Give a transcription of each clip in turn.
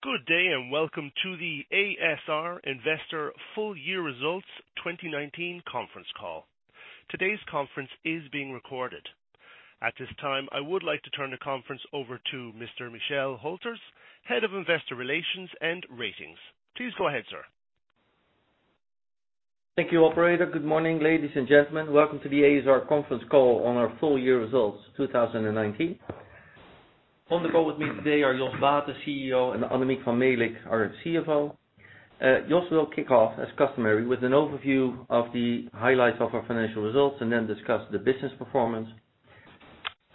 Good day. Welcome to the ASR Investor full year results 2019 conference call. Today's conference is being recorded. At this time, I would like to turn the conference over to Mr. Michel Hülters, Head of Investor Relations and Ratings. Please go ahead, sir. Thank you, operator. Good morning, ladies and gentlemen. Welcome to the ASR conference call on our full year results 2019. On the call with me today are Jos Baeten, CEO, and Annemiek van Melick, our CFO. Jos will kick off, as customary, with an overview of the highlights of our financial results, and then discuss the business performance.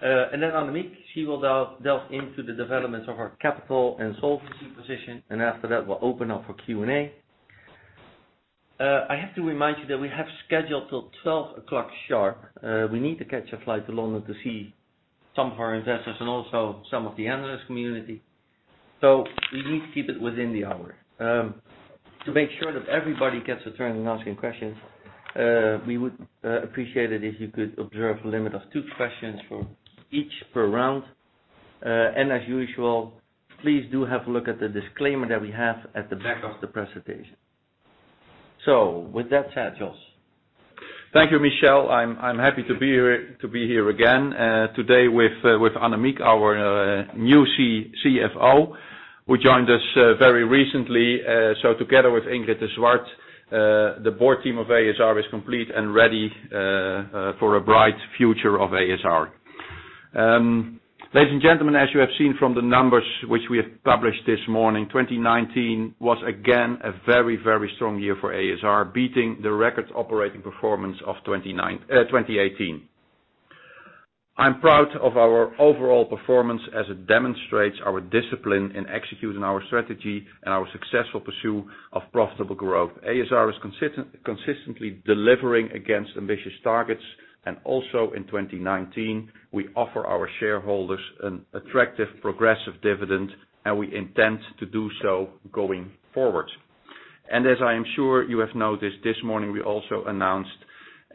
Then Annemiek, she will delve into the developments of our capital and solvency position. After that, we'll open up for Q&A. I have to remind you that we have scheduled till 12:00 P.M. sharp. We need to catch a flight to London to see some of our investors and also some of the analyst community. We need to keep it within the hour. To make sure that everybody gets a turn in asking questions, we would appreciate it if you could observe a limit of two questions from each per round. As usual, please do have a look at the disclaimer that we have at the back of the presentation. With that said, Jos. Thank you, Michel. I'm happy to be here again today with Annemiek, our new CFO, who joined us very recently. Together with Ingrid de Swart, the board team of a.s.r. is complete and ready for a bright future of a.s.r. Ladies and gentlemen, as you have seen from the numbers which we have published this morning, 2019 was again a very, very strong year for a.s.r., beating the record operating performance of 2018. I'm proud of our overall performance as it demonstrates our discipline in executing our strategy and our successful pursue of profitable growth. a.s.r. is consistently delivering against ambitious targets, and also in 2019, we offer our shareholders an attractive progressive dividend, and we intend to do so going forward. As I am sure you have noticed this morning, we also announced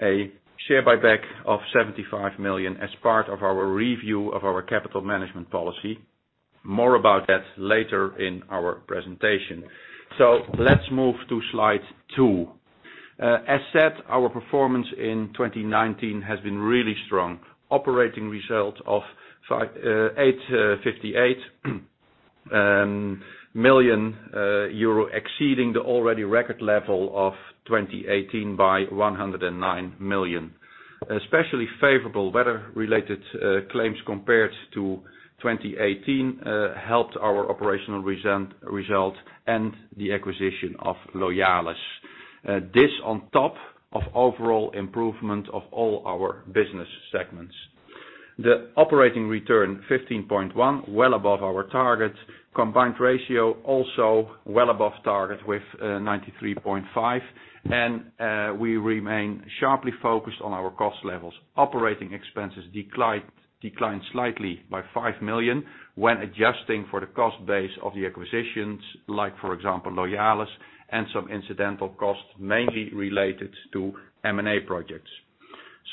a share buyback of 75 million as part of our review of our capital management policy. More about that later in our presentation. Let's move to slide two. As said, our performance in 2019 has been really strong. Operating result of 858 million euro, exceeding the already record level of 2018 by 109 million. Especially favorable weather-related claims compared to 2018 helped our operational result and the acquisition of Loyalis. This on top of overall improvement of all our business segments. The operating return, 15.1%, well above our target. Combined ratio, also well above target with 93.5%. We remain sharply focused on our cost levels. Operating expenses declined slightly by 5 million when adjusting for the cost base of the acquisitions like, for example, Loyalis and some incidental costs mainly related to M&A projects.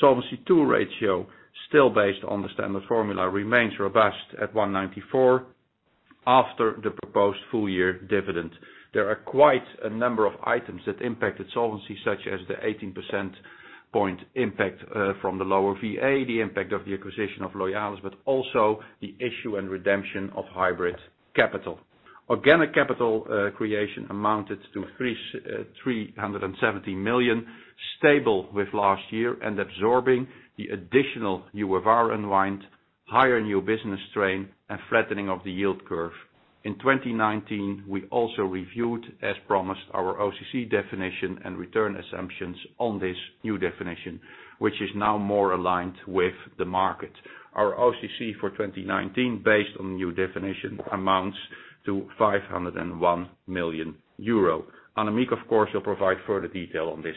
Solvency II ratio, still based on the standard formula, remains robust at 194 after the proposed full-year dividend. There are quite a number of items that impacted solvency, such as the 18% point impact from the lower VA, the impact of the acquisition of Loyalis, but also the issue and redemption of hybrid capital. Organic capital creation amounted to 370 million, stable with last year and absorbing the additional UFR unwind, higher new business strain, and flattening of the yield curve. In 2019, we also reviewed, as promised, our OCC definition and return assumptions on this new definition, which is now more aligned with the market. Our OCC for 2019, based on the new definition, amounts to 501 million euro. Annemiek, of course, will provide further detail on this.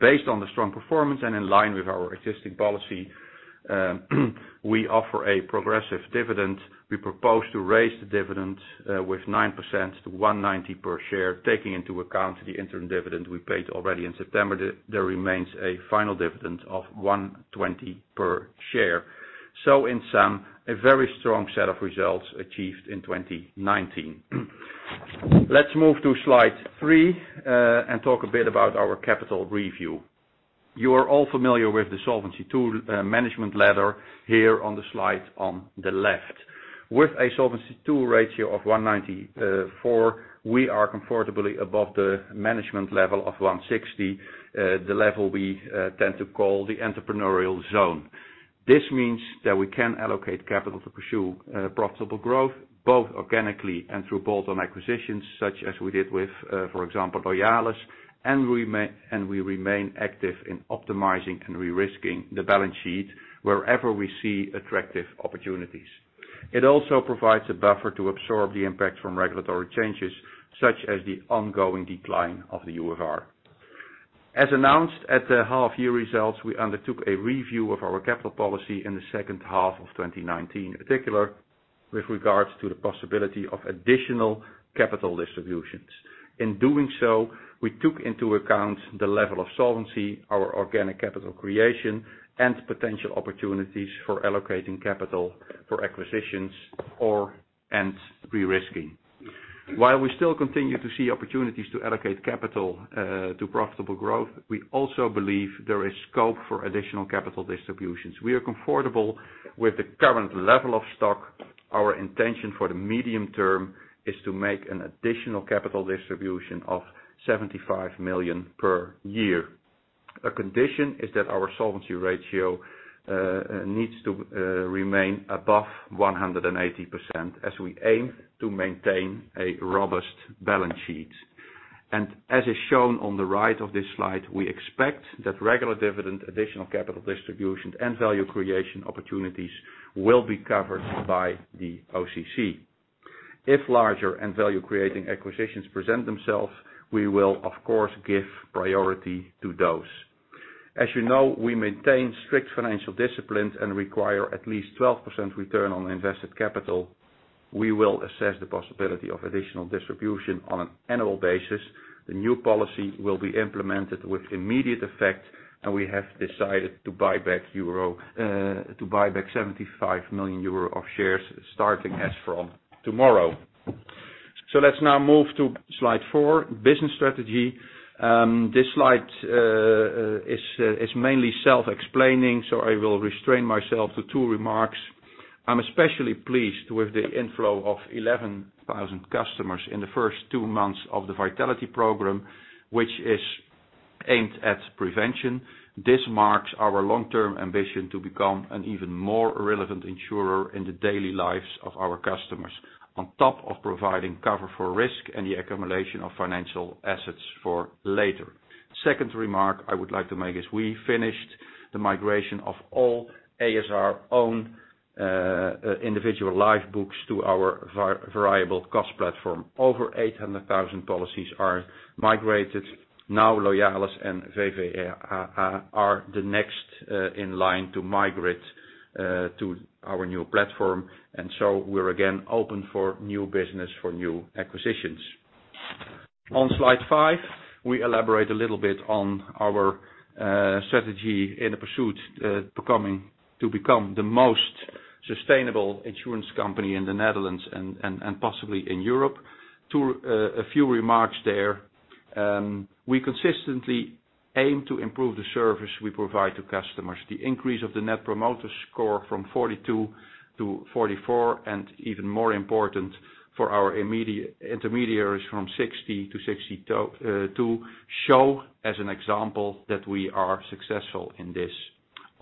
Based on the strong performance and in line with our existing policy, we offer a progressive dividend. We propose to raise the dividend with 9% to 190 per share, taking into account the interim dividend we paid already in September. There remains a final dividend of 120 per share. In sum, a very strong set of results achieved in 2019. Let's move to slide three and talk a bit about our capital review. You are all familiar with the Solvency II management ladder here on the slide on the left. With a Solvency II ratio of 194, we are comfortably above the management level of 160, the level we tend to call the entrepreneurial zone. This means that we can allocate capital to pursue profitable growth, both organically and through bolt-on acquisitions such as we did with, for example, Loyalis, and we remain active in optimizing and re-risking the balance sheet wherever we see attractive opportunities. It also provides a buffer to absorb the impact from regulatory changes, such as the ongoing decline of the UFR. As announced at the half year results, we undertook a review of our capital policy in the second half of 2019, in particular with regards to the possibility of additional capital distributions. In doing so, we took into account the level of solvency, our organic capital creation, and potential opportunities for allocating capital for acquisitions or/and rerisking. While we still continue to see opportunities to allocate capital to profitable growth, we also believe there is scope for additional capital distributions. We are comfortable with the current level of stock. Our intention for the medium term is to make an additional capital distribution of 75 million per year. A condition is that our solvency ratio needs to remain above 180%, as we aim to maintain a robust balance sheet. As is shown on the right of this slide, we expect that regular dividend, additional capital distributions, and value creation opportunities will be covered by the OCG. If larger and value-creating acquisitions present themselves, we will of course give priority to those. As you know, we maintain strict financial disciplines and require at least 12% return on invested capital. We will assess the possibility of additional distribution on an annual basis. The new policy will be implemented with immediate effect, and we have decided to buy back 75 million euro of shares starting as from tomorrow. Let's now move to slide four, business strategy. This slide is mainly self-explaining, so I will restrain myself to two remarks. I'm especially pleased with the inflow of 11,000 customers in the first two months of the a.s.r. Vitality program, which is aimed at prevention. This marks our long-term ambition to become an even more relevant insurer in the daily lives of our customers, on top of providing cover for risk and the accumulation of financial assets for later. Second remark I would like to make is we finished the migration of all a.s.r. own individual life books to our variable cost platform. Over 800,000 policies are migrated. Loyalis and VvE are the next in line to migrate to our new platform. We're again open for new business for new acquisitions. On slide five, we elaborate a little bit on our strategy in the pursuit to become the most sustainable insurance company in the Netherlands and possibly in Europe. A few remarks there. We consistently aim to improve the service we provide to customers. The increase of the Net Promoter Score from 42 to 44, and even more important for our intermediaries from 60 to 62, show as an example that we are successful in this.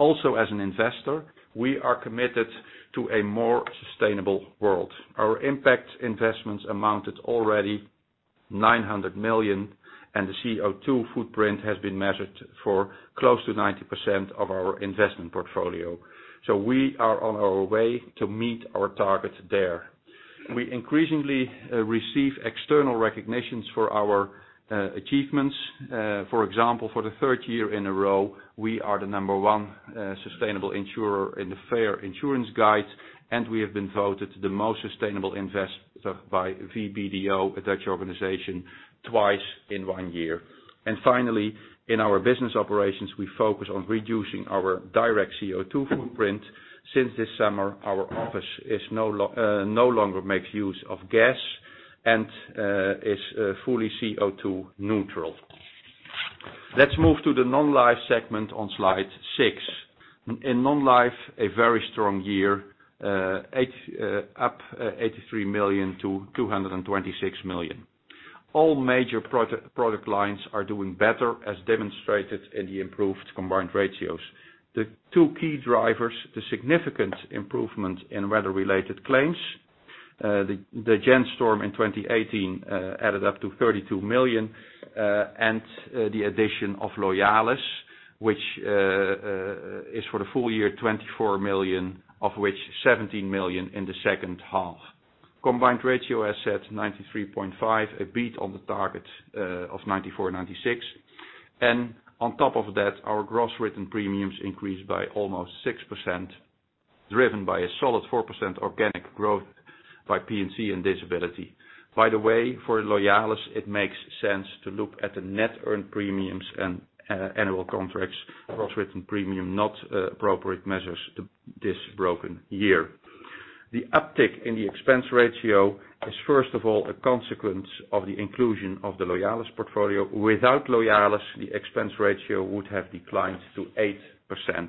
As an investor, we are committed to a more sustainable world. Our impact investments amounted already 900 million, the CO₂ footprint has been measured for close to 90% of our investment portfolio. We are on our way to meet our targets there. We increasingly receive external recognitions for our achievements. For example, for the third year in a row, we are the number one sustainable insurer in the Fair Insurance Guide, we have been voted the most sustainable investor by VBDO, a Dutch organization, twice in one year. Finally, in our business operations, we focus on reducing our direct CO₂ footprint. Since this summer, our office no longer makes use of gas and is fully CO₂ neutral. Let's move to the Non-Life segment on slide six. In Non-Life, a very strong year, up 83 million to 226 million. All major product lines are doing better as demonstrated in the improved combined ratios. The two key drivers, the significant improvement in weather-related claims. The Jan storm in 2018 added up to 32 million, and the addition of Loyalis, which is for the full year 24 million, of which 17 million in the second half. Combined ratio assets 93.5, a beat on the target of 94/96. On top of that, our gross written premiums increased by almost 6%, driven by a solid 4% organic growth by P&C and disability. By the way, for Loyalis, it makes sense to look at the net earned premiums and annual contracts. Gross written premium, not appropriate measures this broken year. The uptick in the expense ratio is first of all, a consequence of the inclusion of the Loyalis portfolio. Without Loyalis, the expense ratio would have declined to 8%.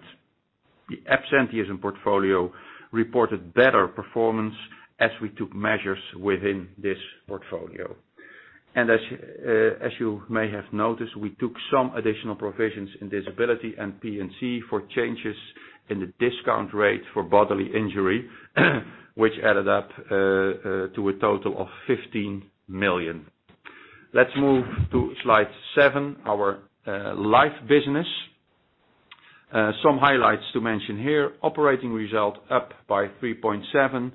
The absenteeism portfolio reported better performance as we took measures within this portfolio. As you may have noticed, we took some additional provisions in disability and P&C for changes in the discount rate for bodily injury, which added up to a total of 15 million. Let's move to slide seven, our Life business. Some highlights to mention here. Operating result up by 3.7%.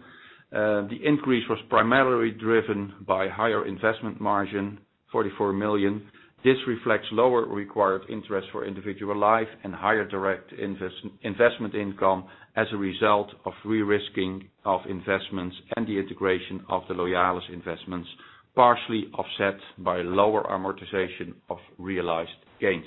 The increase was primarily driven by higher investment margin, 44 million. This reflects lower required interest for individual life and higher direct investment income as a result of rerisking of investments and the integration of the Loyalis investments, partially offset by lower amortization of realized gains.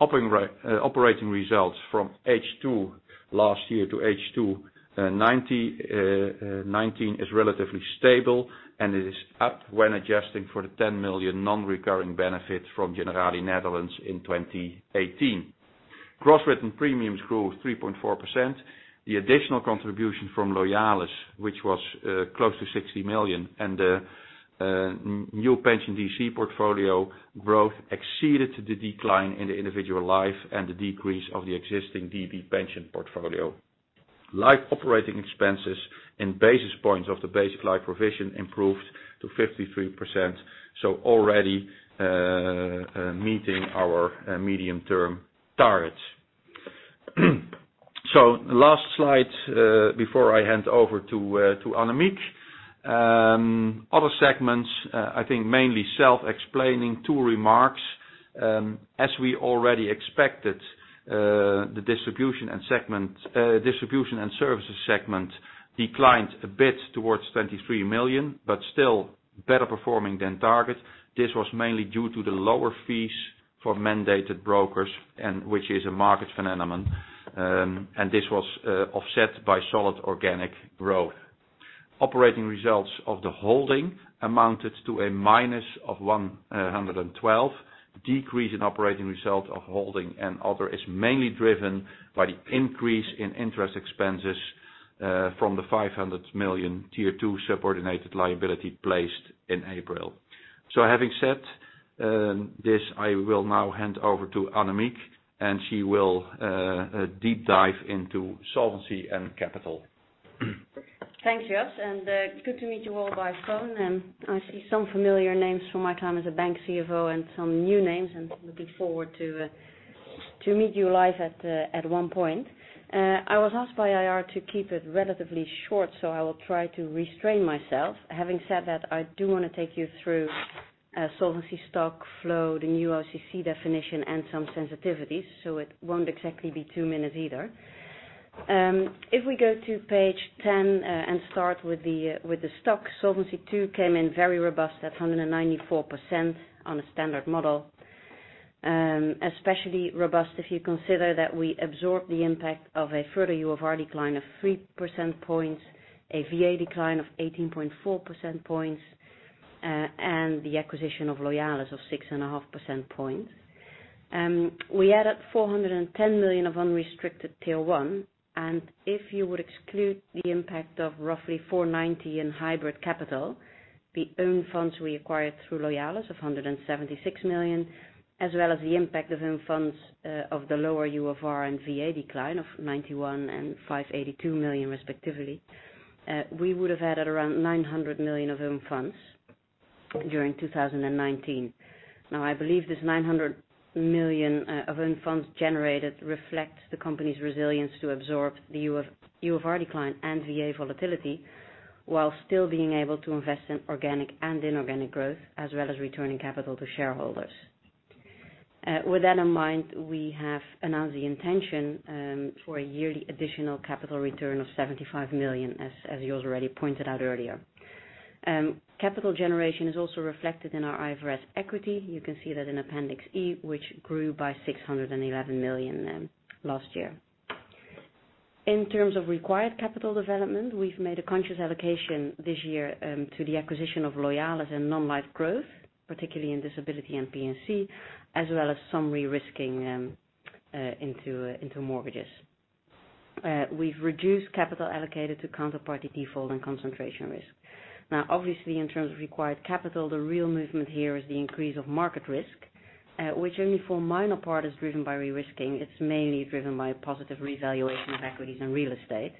Operating results from H2 last year to H2 2019 is relatively stable. It is up when adjusting for the 10 million non-recurring benefits from Generali Netherlands in 2018. Gross written premiums grew 3.4%. The additional contribution from Loyalis, which was close to 60 million, and the new pension DC portfolio growth exceeded the decline in the individual life and the decrease of the existing DB pension portfolio. Life operating expenses and basis points of the basic life provision improved to 53%, already meeting our medium-term targets. The last slide before I hand over to Annemiek. Other segments, I think mainly self-explaining. Two remarks. We already expected, the distribution and services segment declined a bit towards 23 million, but still better performing than target. This was mainly due to the lower fees for mandated brokers, which is a market phenomenon, and this was offset by solid organic growth. Operating results of the holding amounted to a minus of 112. Decrease in operating result of holding and other is mainly driven by the increase in interest expenses from the 500 million Tier 2 subordinated liability placed in April. Having said this, I will now hand over to Annemiek, and she will deep dive into solvency and capital. Thanks, Jos. Good to meet you all by phone. I see some familiar names from my time as a bank CFO and some new names, looking forward to meet you live at one point. I was asked by IR to keep it relatively short. I will try to restrain myself. Having said that, I do want to take you through solvency stock flow, the new OCG definition, and some sensitivities. It won't exactly be two minutes either. If we go to page 10 and start with the stock, Solvency II came in very robust at 194% on a standard model. Especially robust if you consider that we absorb the impact of a further UFR decline of 3 percentage points, a VA decline of 18.4 percentage points, and the acquisition of Loyalis of 6.5 percentage points. We added 410 million of unrestricted Tier 1, and if you would exclude the impact of roughly 490 million in hybrid capital, the own funds we acquired through Loyalis of 176 million, as well as the impact of own funds of the lower UFR and VA decline of 91 million and 582 million respectively, we would have added around 900 million of own funds during 2019. Now, I believe this 900 million of own funds generated reflects the company's resilience to absorb the UFR decline and VA volatility while still being able to invest in organic and inorganic growth, as well as returning capital to shareholders. With that in mind, we have announced the intention for a yearly additional capital return of 75 million, as Jos already pointed out earlier. Capital generation is also reflected in our IFRS equity. You can see that in Appendix E, which grew by 611 million last year. In terms of required capital development, we've made a conscious allocation this year to the acquisition of Loyalis and Non-Life growth, particularly in disability and P&C, as well as some re-risking into mortgages. We've reduced capital allocated to counterparty default and concentration risk. Obviously, in terms of required capital, the real movement here is the increase of market risk, which only for a minor part is driven by re-risking. It's mainly driven by a positive revaluation of equities and real estate.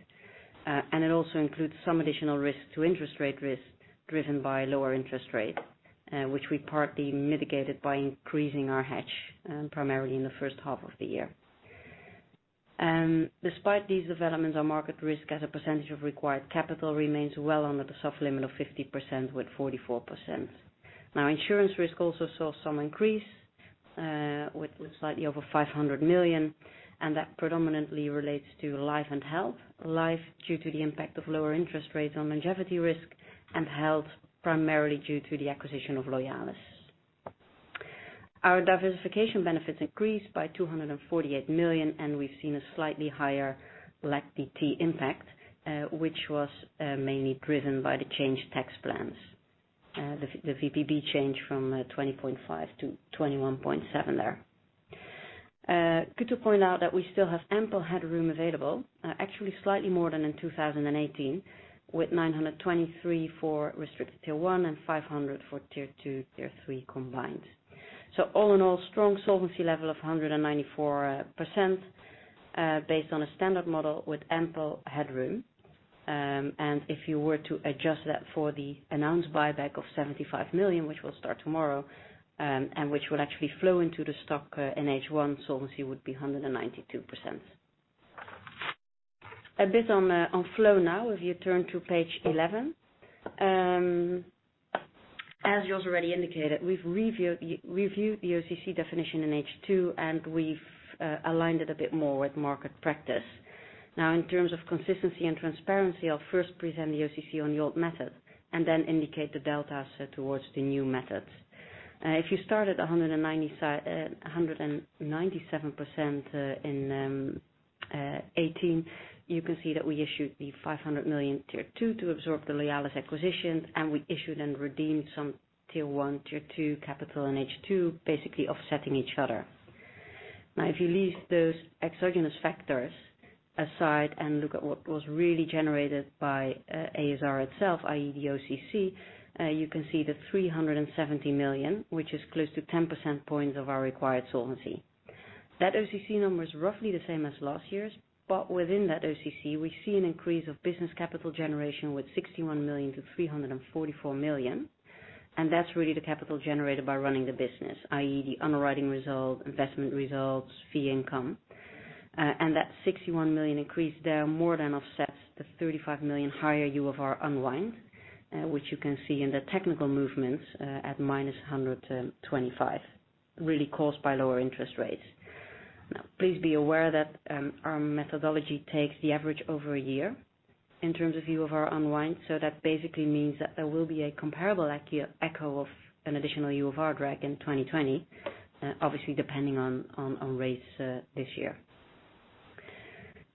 It also includes some additional risk to interest rate risk driven by lower interest rates, which we partly mitigated by increasing our hedge, primarily in the first half of the year. Despite these developments, our market risk as a percentage of required capital remains well under the soft limit of 50% with 44%. Insurance risk also saw some increase with slightly over 500 million, and that predominantly relates to life and health. Life, due to the impact of lower interest rates on longevity risk, and health, primarily due to the acquisition of Loyalis. Our diversification benefits increased by 248 million, and we've seen a slightly higher LAC-BT impact, which was mainly driven by the changed tax plans. The VPB changed from 20.5 to 21.7 there. Good to point out that we still have ample headroom available, actually slightly more than in 2018, with 923 for restricted Tier 1 and 500 for Tier 2, Tier 3 combined. All in all, strong solvency level of 194% based on a standard model with ample headroom. If you were to adjust that for the announced buyback of 75 million, which will start tomorrow, and which will actually flow into the stock in H1, solvency would be 192%. A bit on flow now, if you turn to page 11. As Jos already indicated, we've reviewed the OCG definition in H2, and we've aligned it a bit more with market practice. Now, in terms of consistency and transparency, I'll first present the OCG on the old method and then indicate the delta towards the new methods. If you start at 197% in 2018, you can see that we issued the 500 million Tier 2 to absorb the Loyalis acquisition, and we issued and redeemed some Tier 1, Tier 2 capital in H2, basically offsetting each other. If you leave those exogenous factors aside and look at what was really generated by a.s.r. itself, i.e., the OCG, you can see the 370 million, which is close to 10% points of our required solvency. That OCG number is roughly the same as last year's. Within that OCG, we see an increase of business capital generation with 61 million-344 million. That's really the capital generated by running the business, i.e., the underwriting result, investment results, fee income. That 61 million increase there more than offsets the 35 million higher UFR unwind, which you can see in the technical movements at -125, really caused by lower interest rates. Please be aware that our methodology takes the average over a year in terms of UFR unwind, that basically means that there will be a comparable echo of an additional UFR drag in 2020, obviously depending on rates this year.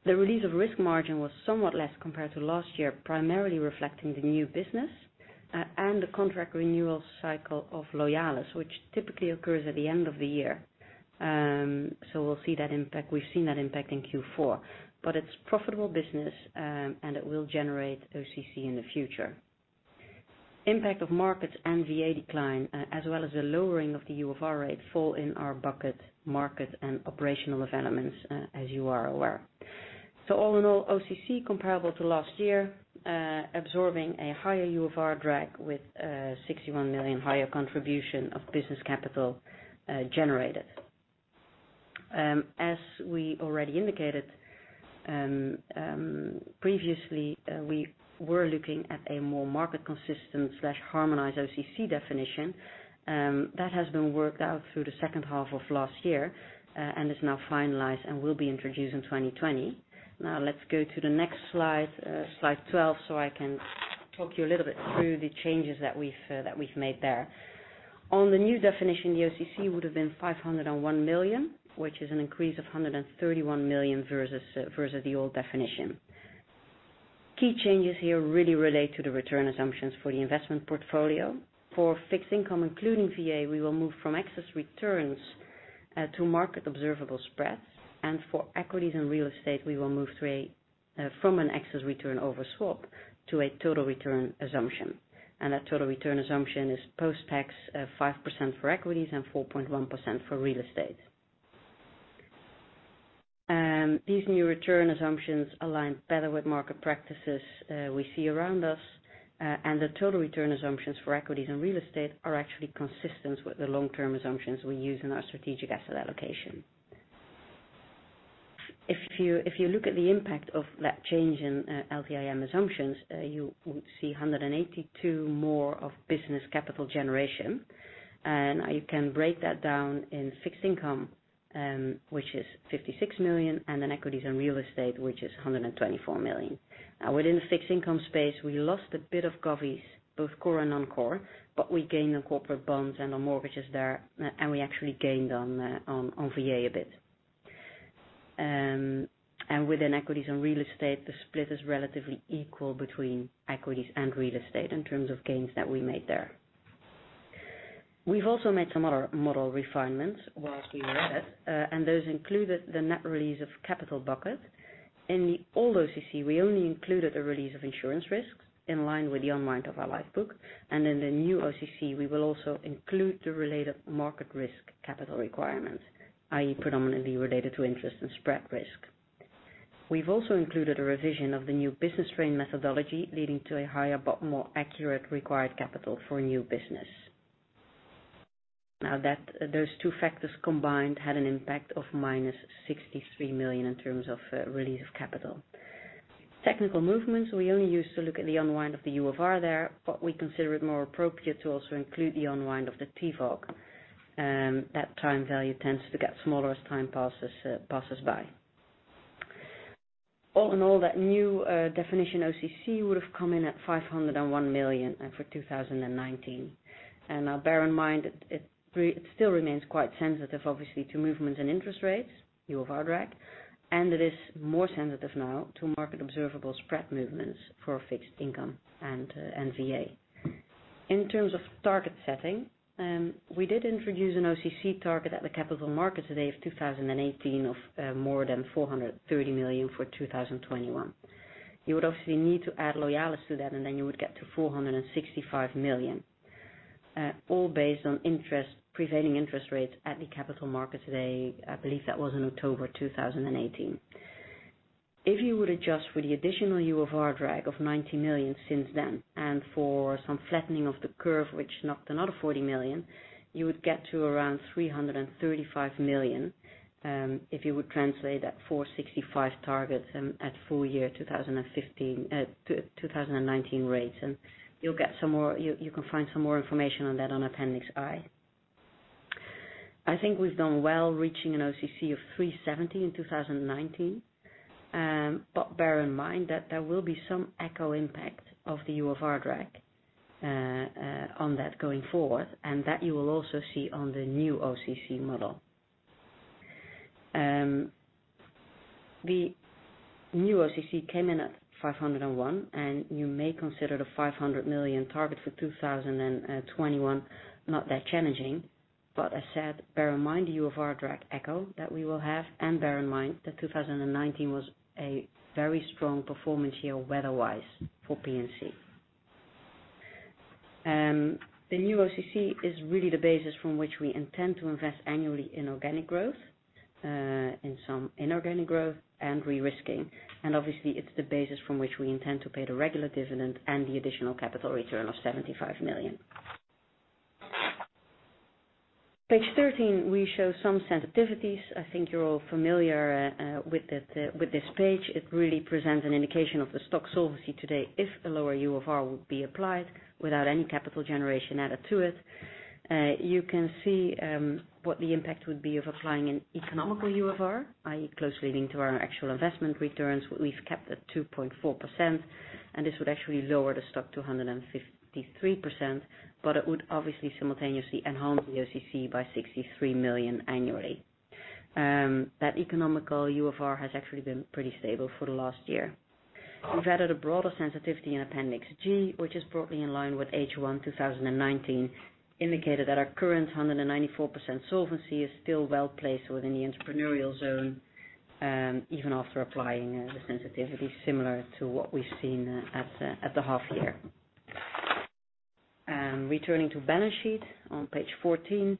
The release of risk margin was somewhat less compared to last year, primarily reflecting the new business and the contract renewal cycle of Loyalis, which typically occurs at the end of the year. We'll see that impact. We've seen that impact in Q4. It's profitable business, and it will generate OCC in the future. Impact of markets and VA decline, as well as the lowering of the UFR rate fall in our bucket market and operational developments, as you are aware. All in all, OCC comparable to last year, absorbing a higher UFR drag with 61 million higher contribution of business capital generated. As we already indicated previously, we were looking at a more market consistent/harmonized OCC definition. That has been worked out through the second half of last year, and is now finalized and will be introduced in 2020. Let's go to the next slide 12, so I can talk you a little bit through the changes that we've made there. On the new definition, the OCC would have been 501 million, which is an increase of 131 million versus the old definition. Key changes here really relate to the return assumptions for the investment portfolio. For fixed income, including VA, we will move from excess returns to market observable spreads, and for equities and real estate, we will move from an excess return over swap to a total return assumption. That total return assumption is post-tax 5% for equities and 4.1% for real estate. These new return assumptions align better with market practices we see around us, and the total return assumptions for equities and real estate are actually consistent with the long-term assumptions we use in our strategic asset allocation. If you look at the impact of that change in LVIM assumptions, you would see 182 more of business capital generation, and you can break that down in fixed income, which is 56 million, and then equities and real estate, which is 124 million. Within the fixed income space, we lost a bit of govies, both core and non-core, but we gained on corporate bonds and on mortgages there, and we actually gained on VA a bit. Within equities and real estate, the split is relatively equal between equities and real estate in terms of gains that we made there. We've also made some other model refinements while we were at it. Those included the net release of capital bucket. In the old OCG, we only included a release of insurance risks in line with the unwind of our life book. In the new OCG, we will also include the related market risk capital requirements, i.e., predominantly related to interest and spread risk. We've also included a revision of the new business strain methodology, leading to a higher but more accurate required capital for new business. Those two factors combined had an impact of minus 63 million in terms of release of capital. Technical movements, we only used to look at the unwind of the UFR there. We consider it more appropriate to also include the unwind of the TVOG. That time value tends to get smaller as time passes by. All in all, that new definition OCG would have come in at 501 million for 2019. Now bear in mind, it still remains quite sensitive, obviously, to movements in interest rates, UFR drag, and it is more sensitive now to market observable spread movements for fixed income and VA. In terms of target setting, we did introduce an OCG target at the capital markets day of 2018 of more than 430 million for 2021. You would obviously need to add Loyalis to that, then you would get to 465 million, all based on prevailing interest rates at the capital markets day. I believe that was in October 2018. If you would adjust for the additional UFR drag of 90 million since then, for some flattening of the curve, which knocked another 40 million, you would get to around 335 million, if you would translate that 465 million targets at full year 2019 rates. You can find some more information on that on appendix I. I think we've done well reaching an OCG of 370 million in 2019. Bear in mind that there will be some echo impact of the UFR drag on that going forward, that you will also see on the new OCG model. The new OCG came in at 501 million, you may consider the 500 million target for 2021 not that challenging. As said, bear in mind the UFR drag echo that we will have, bear in mind that 2019 was a very strong performance year weather-wise for P&C. The new OCC is really the basis from which we intend to invest annually in organic growth, in some inorganic growth, and re-risking. Obviously, it's the basis from which we intend to pay the regular dividend and the additional capital return of 75 million. Page 13, we show some sensitivities. I think you're all familiar with this page. It really presents an indication of the stock solvency today if a lower UFR would be applied without any capital generation added to it. You can see what the impact would be of applying an economical UFR, i.e., closely linked to our actual investment returns, what we've kept at 2.4%. This would actually lower the stock to 153%, but it would obviously simultaneously enhance the OCC by 63 million annually. That economical UFR has actually been pretty stable for the last year. We've added a broader sensitivity in Appendix G, which is broadly in line with H1 2019, indicated that our current 194% solvency is still well placed within the entrepreneurial zone, even after applying the sensitivity similar to what we've seen at the half year. Returning to balance sheet on page 14.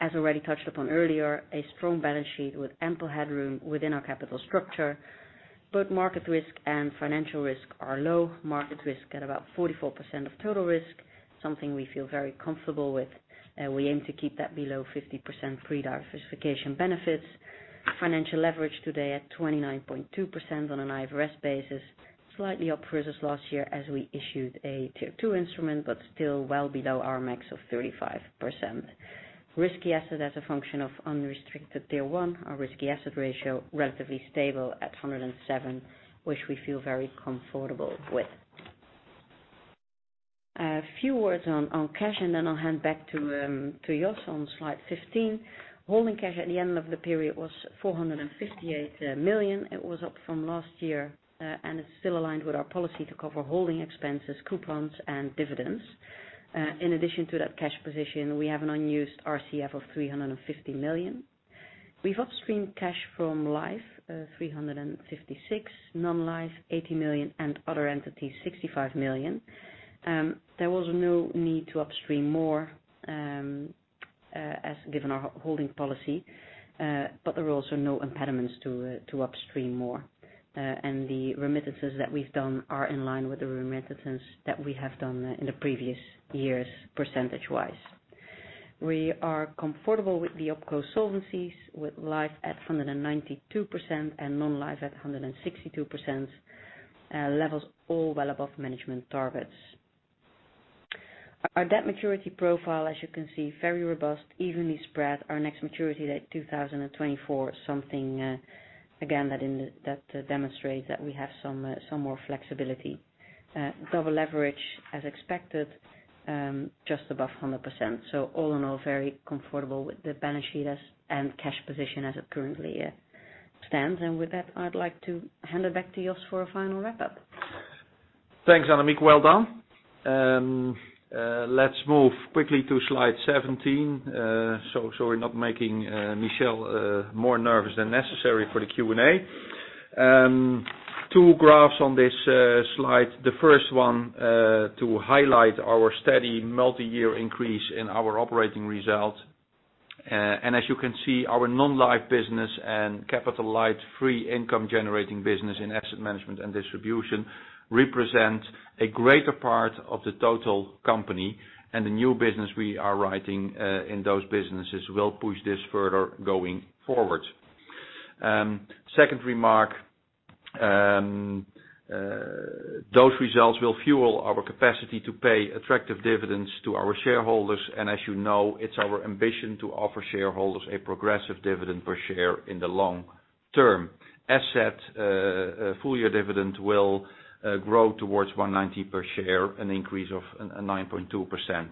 As already touched upon earlier, a strong balance sheet with ample headroom within our capital structure. Both market risk and financial risk are low. Market risk at about 44% of total risk, something we feel very comfortable with. We aim to keep that below 50% pre-diversification benefits. Financial leverage today at 29.2% on an IFRS basis, slightly up versus last year as we issued a Tier 2 instrument, but still well below our max of 35%. Risky asset as a function of unrestricted Tier 1, our risky asset ratio, relatively stable at 107, which we feel very comfortable with. A few words on cash, and then I'll hand back to Jos on slide 15. Holding cash at the end of the period was 458 million. It was up from last year, and it's still aligned with our policy to cover holding expenses, coupons, and dividends. In addition to that cash position, we have an unused RCF of 350 million. We've upstreamed cash from Life, 356, Non-Life, 80 million, and other entities, 65 million. There was no need to upstream more, given our holding policy, but there were also no impediments to upstream more. The remittances that we've done are in line with the remittances that we have done in the previous years, percentage-wise. We are comfortable with the opco solvency, with Life at 192% and Non-Life at 162%, levels all well above management targets. Our debt maturity profile, as you can see, very robust, evenly spread. Our next maturity date, 2024, something, again, that demonstrates that we have some more flexibility. Double leverage, as expected, just above 100%. All in all, very comfortable with the balance sheet and cash position as it currently stands. With that, I'd like to hand it back to Jos for a final wrap-up. Thanks, Annemiek. Well done. Let's move quickly to slide 17, so we're not making Michel more nervous than necessary for the Q&A. Two graphs on this slide. The first one to highlight our steady multi-year increase in our operating result. As you can see, our Non-Life business and capital-light free income generating business in Asset Management and Distribution represent a greater part of the total company, and the new business we are writing in those businesses will push this further going forward. Second remark, those results will fuel our capacity to pay attractive dividends to our shareholders. As you know, it's our ambition to offer shareholders a progressive dividend per share in the long term. As said, full year dividend will grow towards 1.90 per share, an increase of 9.2%.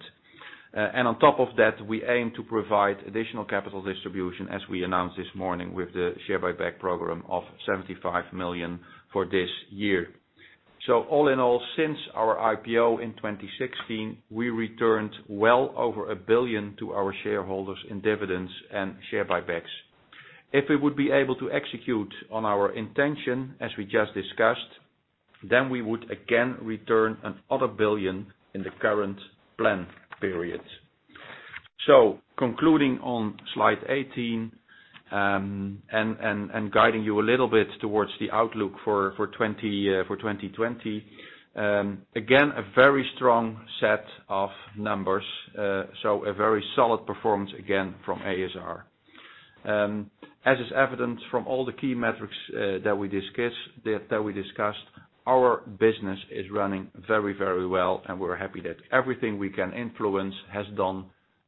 On top of that, we aim to provide additional capital distribution as we announced this morning with the share buyback program of 75 million for this year. All in all, since our IPO in 2016, we returned well over 1 billion to our shareholders in dividends and share buybacks. If we would be able to execute on our intention, as we just discussed, then we would again return another 1 billion in the current plan period. Concluding on slide 18, and guiding you a little bit towards the outlook for 2020. Again, a very strong set of numbers, so a very solid performance again from a.s.r. As is evident from all the key metrics that we discussed, our business is running very well, and we're happy that everything we can influence has done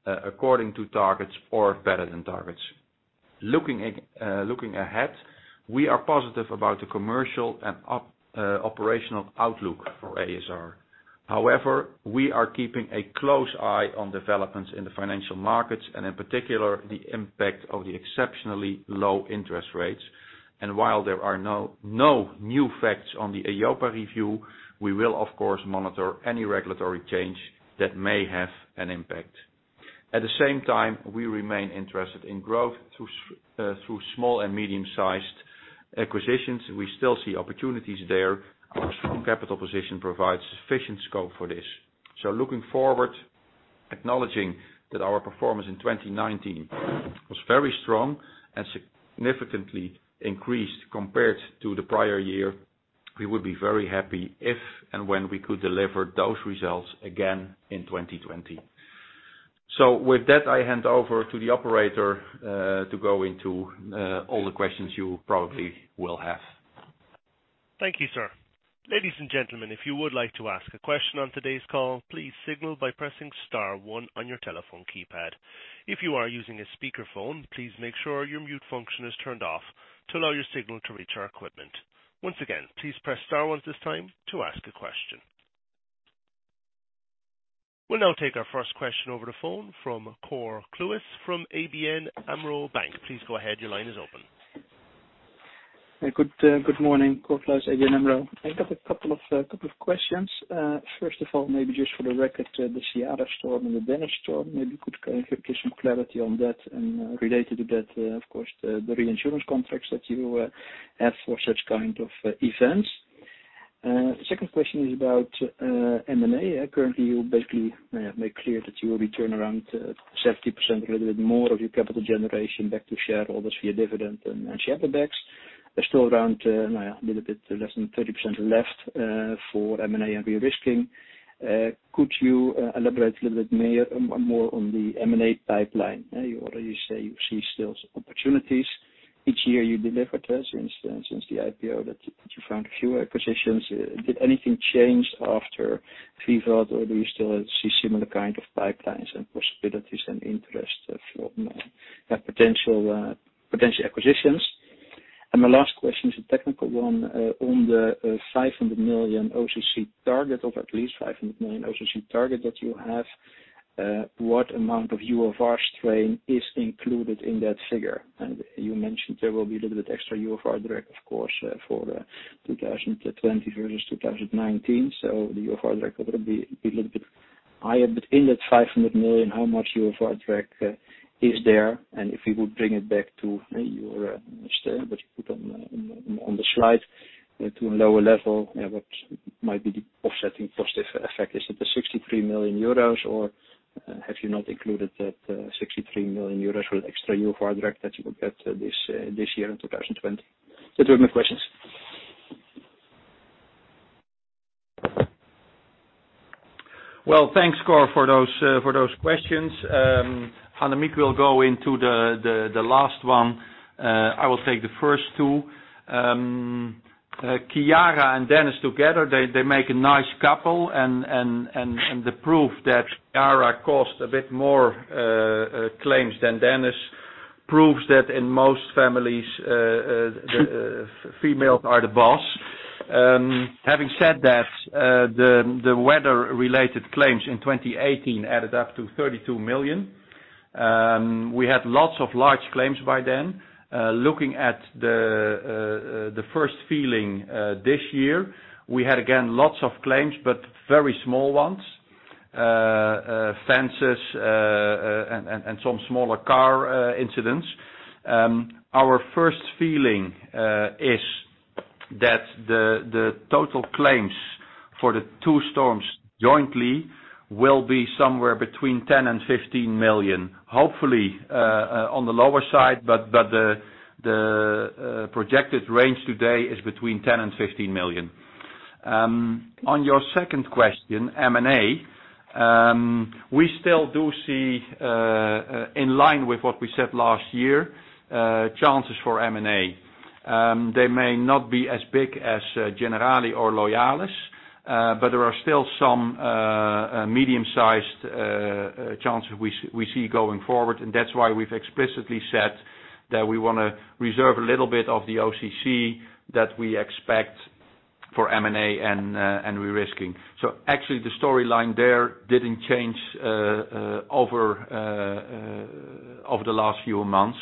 according to targets or better than targets. Looking ahead, we are positive about the commercial and operational outlook for ASR. However, we are keeping a close eye on developments in the financial markets and in particular, the impact of the exceptionally low interest rates. While there are no new facts on the EIOPA review, we will of course monitor any regulatory change that may have an impact. At the same time, we remain interested in growth through small and medium-sized acquisitions. We still see opportunities there. Our strong capital position provides sufficient scope for this. Looking forward, acknowledging that our performance in 2019 was very strong and significantly increased compared to the prior year, we would be very happy if and when we could deliver those results again in 2020. With that, I hand over to the operator to go into all the questions you probably will have. Thank you, sir. Ladies and gentlemen, if you would like to ask a question on today's call, please signal by pressing star one on your telephone keypad. If you are using a speakerphone, please make sure your mute function is turned off to allow your signal to reach our equipment. Once again, please press star one at this time to ask a question. We'll now take our first question over the phone from Cor Kluis from ABN AMRO Bank. Please go ahead. Your line is open. Good morning. Cor Kluis, ABN AMRO. I got a couple of questions. First of all, maybe just for the record, the Ciara storm and the Dennis storm, maybe you could give some clarity on that and related to that, of course, the reinsurance contracts that you have for such kind of events. Second question is about M&A. Currently, you basically make clear that you will be turning around 70% or a little bit more of your capital generation back to shareholders via dividend and share buybacks. There's still around a little bit less than 30% left for M&A and risk. Could you elaborate a little bit more on the M&A pipeline? You say you see still opportunities. Each year you delivered, for instance, since the IPO that you found a few acquisitions. Did anything change after VIVAT or do you still see similar kind of pipelines and possibilities and interest of potential acquisitions? My last question is a technical one. On the 500 million OCG target of at least 500 million OCG target that you have, what amount of UFR strain is included in that figure? You mentioned there will be a little bit extra UFR direct, of course, for 2020 versus 2019. The UFR direct will be a little bit higher. In that 500 million, how much UFR direct is there? If you would bring it back to what you put on the slide to a lower level, what might be the offsetting positive effect? Is it the 63 million euros or have you not included that 63 million euros with extra UFR direct that you will get this year in 2020? Those are my questions. Well, thanks, Cor, for those questions. Annemiek will go into the last one. I will take the first two. Ciara and Dennis together, they make a nice couple. The proof that Ciara cost a bit more claims than Dennis proves that in most families, the females are the boss. Having said that, the weather-related claims in 2018 added up to 32 million. We had lots of large claims by then. Looking at the first feeling this year, we had, again, lots of claims, but very small ones. Fences and some smaller car incidents. Our first feeling is that the total claims for the two storms jointly will be somewhere between 10 million-15 million. Hopefully, on the lower side, the projected range today is between 10 million-15 million. On your second question, M&A, we still do see, in line with what we said last year, chances for M&A. They may not be as big as Generali or Loyalis, but there are still some medium-sized chances we see going forward. That's why we've explicitly said that we want to reserve a little bit of the OCG that we expect for M&A and risk risk. Actually the storyline there didn't change over the last few months.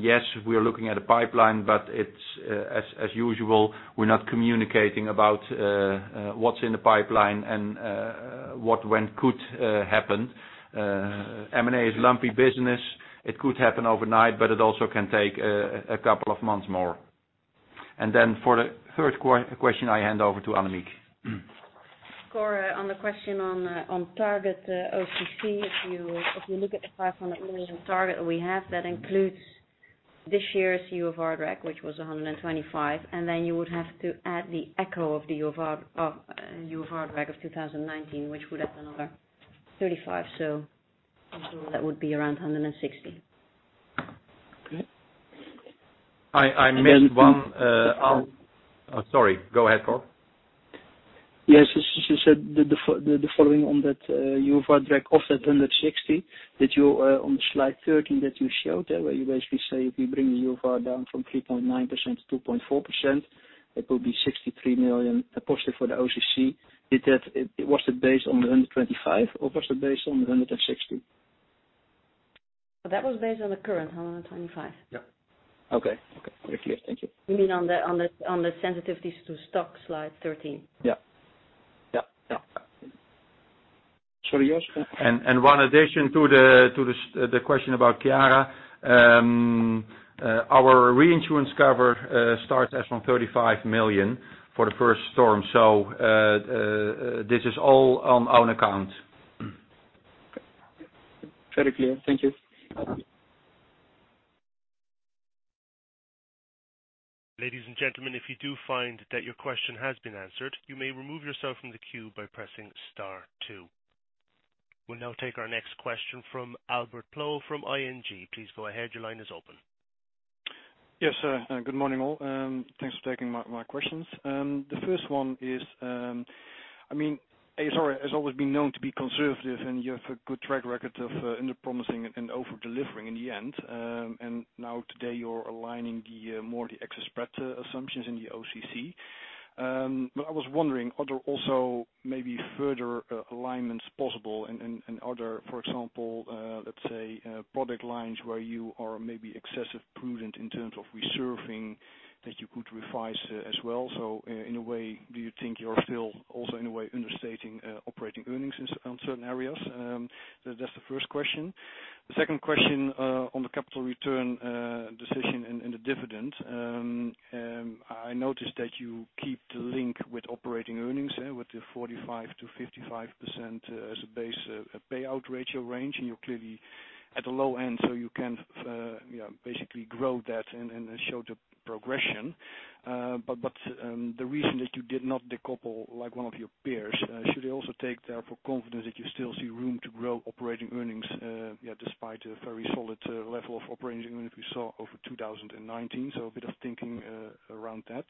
Yes, we are looking at a pipeline, but as usual, we're not communicating about what's in the pipeline and what, when could happen. M&A is lumpy business. It could happen overnight, but it also can take a couple of months more. Then for the third question, I hand over to Annemiek. Cor, on the question on target OCG, if you look at the 500 million target we have, that includes this year's UFR drag, which was 125 million, and then you would have to add the echo of the UFR drag of 2019, which would add another 35 million. In total, that would be around 160 million. Great. I missed one. Sorry, go ahead, Cor. Yes. As you said, the following on that UFR drag of that 160, on slide 13 that you showed there, where you basically say if you bring the UFR down from 3.9% to 2.4%, it will be 63 million positive for the OCG. Was that based on the 125 or was that based on the 160? That was based on the current 125. Yeah. Okay. Very clear. Thank you. You mean on the sensitivities to stock, slide 13. Yeah. Sorry, Jos. One addition to the question about Ciara, our reinsurance cover starts at 135 million for the first storm. This is all on own account. Very clear. Thank you. Ladies and gentlemen, if you do find that your question has been answered, you may remove yourself from the queue by pressing star two. We'll now take our next question from Albert Ploegh from ING. Please go ahead. Your line is open. Yes. Good morning, all. Thanks for taking my questions. The first one is, a.s.r. has always been known to be conservative, and you have a good track record of under-promising and over-delivering in the end. Now today, you're aligning more the excess spread assumptions in the OCG. I was wondering, are there also maybe further alignments possible in other, for example, let's say product lines where you are maybe excessively prudent in terms of reserving that you could revise as well? In a way, do you think you're still also in a way understating operating earnings on certain areas? That's the first question. The second question on the capital return decision and the dividend. I noticed that you keep the link with operating earnings there, with the 45%-55% as a base payout ratio range, and you're clearly at the low end, so you can basically grow that and show the progression. The reason that you did not decouple like one of your peers, should they also take therefore confidence that you still see room to grow operating earnings, despite a very solid level of operating earnings we saw over 2019? A bit of thinking around that.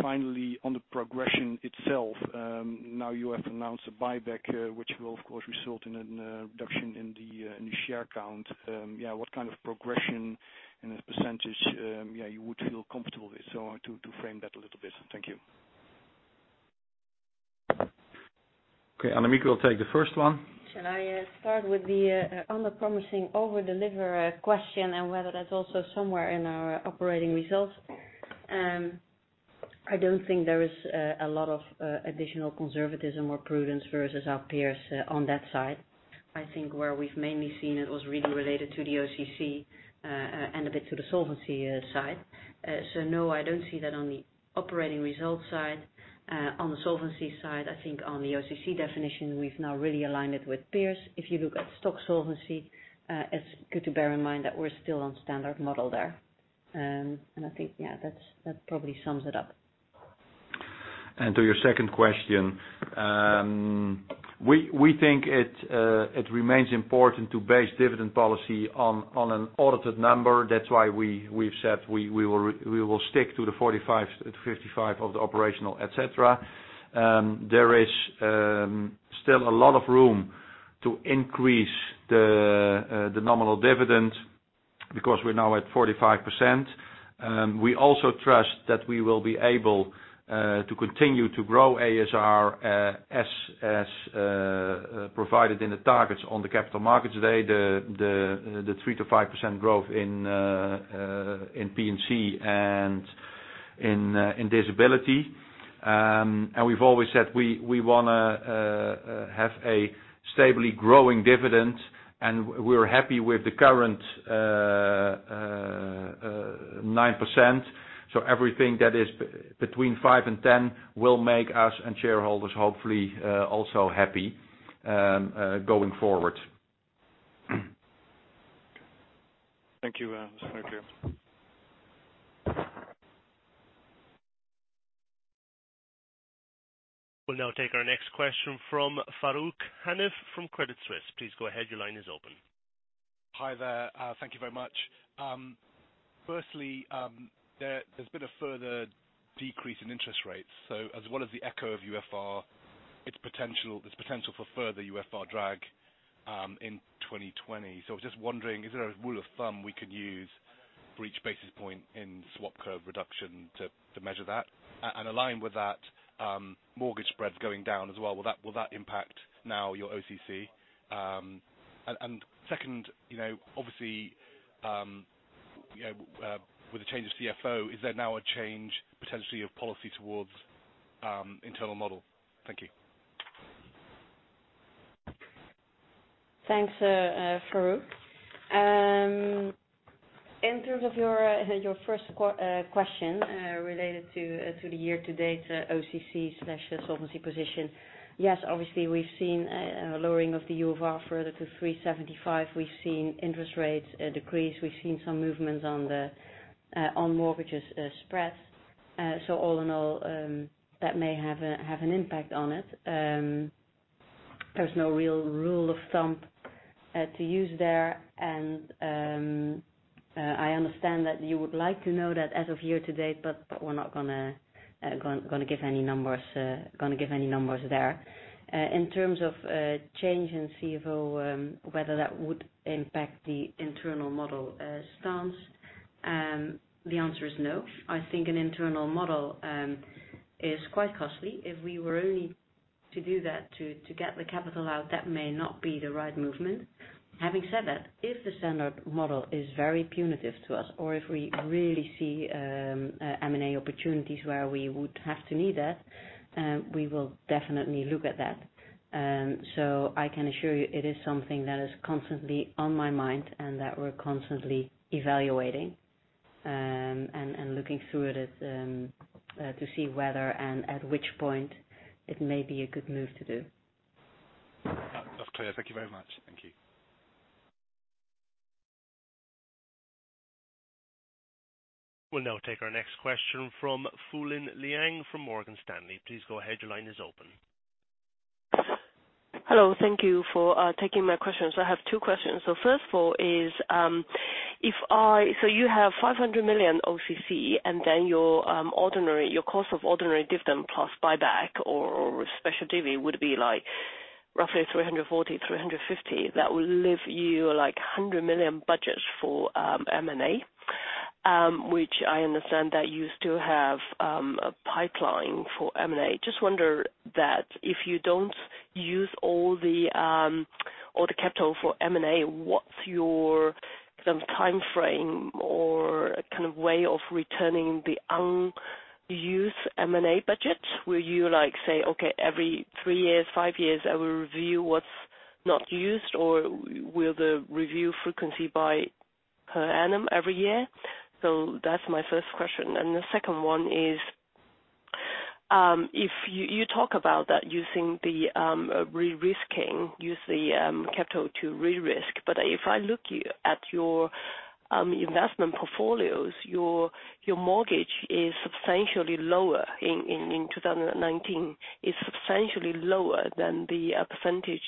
Finally, on the progression itself. Now you have announced a buyback, which will, of course, result in a reduction in the share count. What kind of progression in a percentage you would feel comfortable with? To frame that a little bit. Thank you. Okay. Annemiek will take the first one. Shall I start with the under-promising, over-deliver question and whether that's also somewhere in our operating results? I don't think there is a lot of additional conservatism or prudence versus our peers on that side. I think where we've mainly seen it was really related to the OCC, and a bit to the solvency side. No, I don't see that on the operating results side. On the solvency side, I think on the OCC definition, we've now really aligned it with peers. If you look at stock solvency, it's good to bear in mind that we're still on standard model there. I think that probably sums it up. To your second question. We think it remains important to base dividend policy on an audited number. That's why we've said we will stick to the 45%-55% of the operational, et cetera. There is still a lot of room to increase the nominal dividend because we're now at 45%. We also trust that we will be able to continue to grow ASR as provided in the targets on the capital markets day, the 3%-5% growth in P&C and in disability. We've always said we want to have a stably growing dividend, and we're happy with the current 9%. Everything that is between 5% and 10% will make us and shareholders hopefully also happy going forward. Thank you. That's very clear. We'll now take our next question from Farooq Hanif from Credit Suisse. Please go ahead. Your line is open. Hi there. Thank you very much. Firstly, there's been a further decrease in interest rates. As well as the echo of UFR, there's potential for further UFR drag in 2020. I was just wondering, is there a rule of thumb we can use for each basis point in swap curve reduction to measure that? Aligned with that, mortgage spreads going down as well, will that impact now your OCC? Second, obviously, with the change of CFO, is there now a change potentially of policy towards internal model? Thank you. Thanks, Farooq. In terms of your first question related to the year-to-date OCG/solvency position. Yes, obviously, we've seen a lowering of the UFR further to 375. We've seen interest rates decrease. We've seen some movements on mortgages spread. All in all, that may have an impact on it. There's no real rule of thumb to use there, and I understand that you would like to know that as of year-to-date, but we're not going to give any numbers there. In terms of change in CFO, whether that would impact the internal model stance, the answer is no. I think an internal model is quite costly. If we were only to do that to get the capital out, that may not be the right movement. Having said that, if the standard model is very punitive to us, or if we really see M&A opportunities where we would have to need that, we will definitely look at that. I can assure you it is something that is constantly on my mind and that we're constantly evaluating and looking through it to see whether and at which point it may be a good move to do. That's clear. Thank you very much. Thank you. We'll now take our next question from Fulin Liang from Morgan Stanley. Please go ahead. Your line is open. Hello. Thank you for taking my question. I have two questions. First of all is, you have 500 million OCG, and your cost of ordinary dividend plus buyback or special dividend would be roughly 340 million-350 million. That will leave you 100 million budget for M&A, which I understand that you still have a pipeline for M&A. Just wonder that if you don't use all the capital for M&A, what's your timeframe or way of returning the unused M&A budget? Will you say, okay, every three years, five years, I will review what's not used, or will the review frequency by per annum every year? That's my first question. The second one is, you talk about that using the capital to rerisk. If I look at your investment portfolios, your mortgage is substantially lower in 2019, is substantially lower than the percentage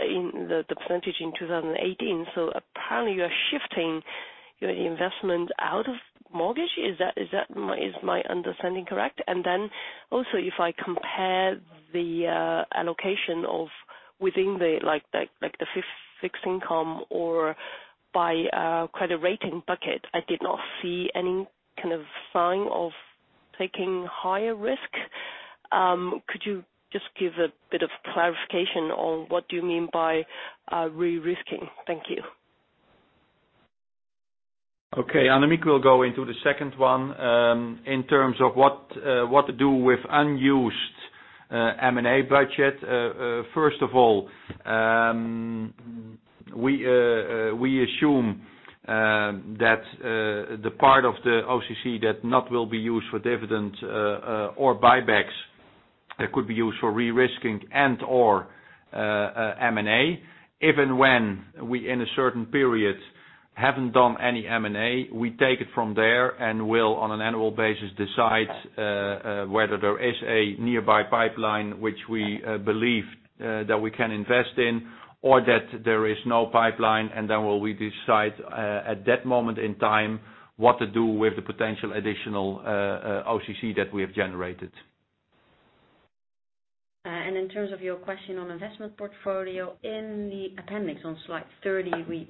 in 2018. Apparently, you are shifting your investment out of mortgage. Is my understanding correct? Also, if I compare the allocation of within the fixed income or by credit rating bucket, I did not see any sign of taking higher risk. Could you just give a bit of clarification on what do you mean by rerisking? Thank you. Okay. Annemiek will go into the second one. In terms of what to do with unused M&A budget, first of all, we assume that the part of the OCG that not will be used for dividend or buybacks could be used for rerisking and/or M&A. If and when we, in a certain period, haven't done any M&A, we take it from there and will, on an annual basis, decide whether there is a nearby pipeline which we believe that we can invest in, or that there is no pipeline, and then will we decide at that moment in time what to do with the potential additional OCG that we have generated. In terms of your question on investment portfolio, in the appendix on slide 30, we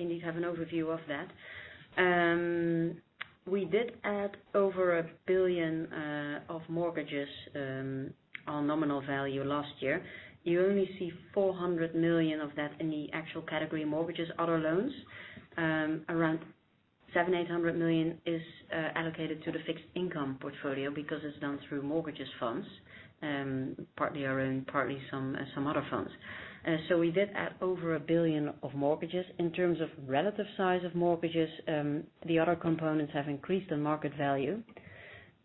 indeed have an overview of that. We did add over 1 billion of mortgages on nominal value last year. You only see 400 million of that in the actual category mortgages other loans. Around 700 million-800 million is allocated to the fixed income portfolio because it's done through mortgages funds, partly our own, partly some other funds. We did add over 1 billion of mortgages. In terms of relative size of mortgages, the other components have increased in market value.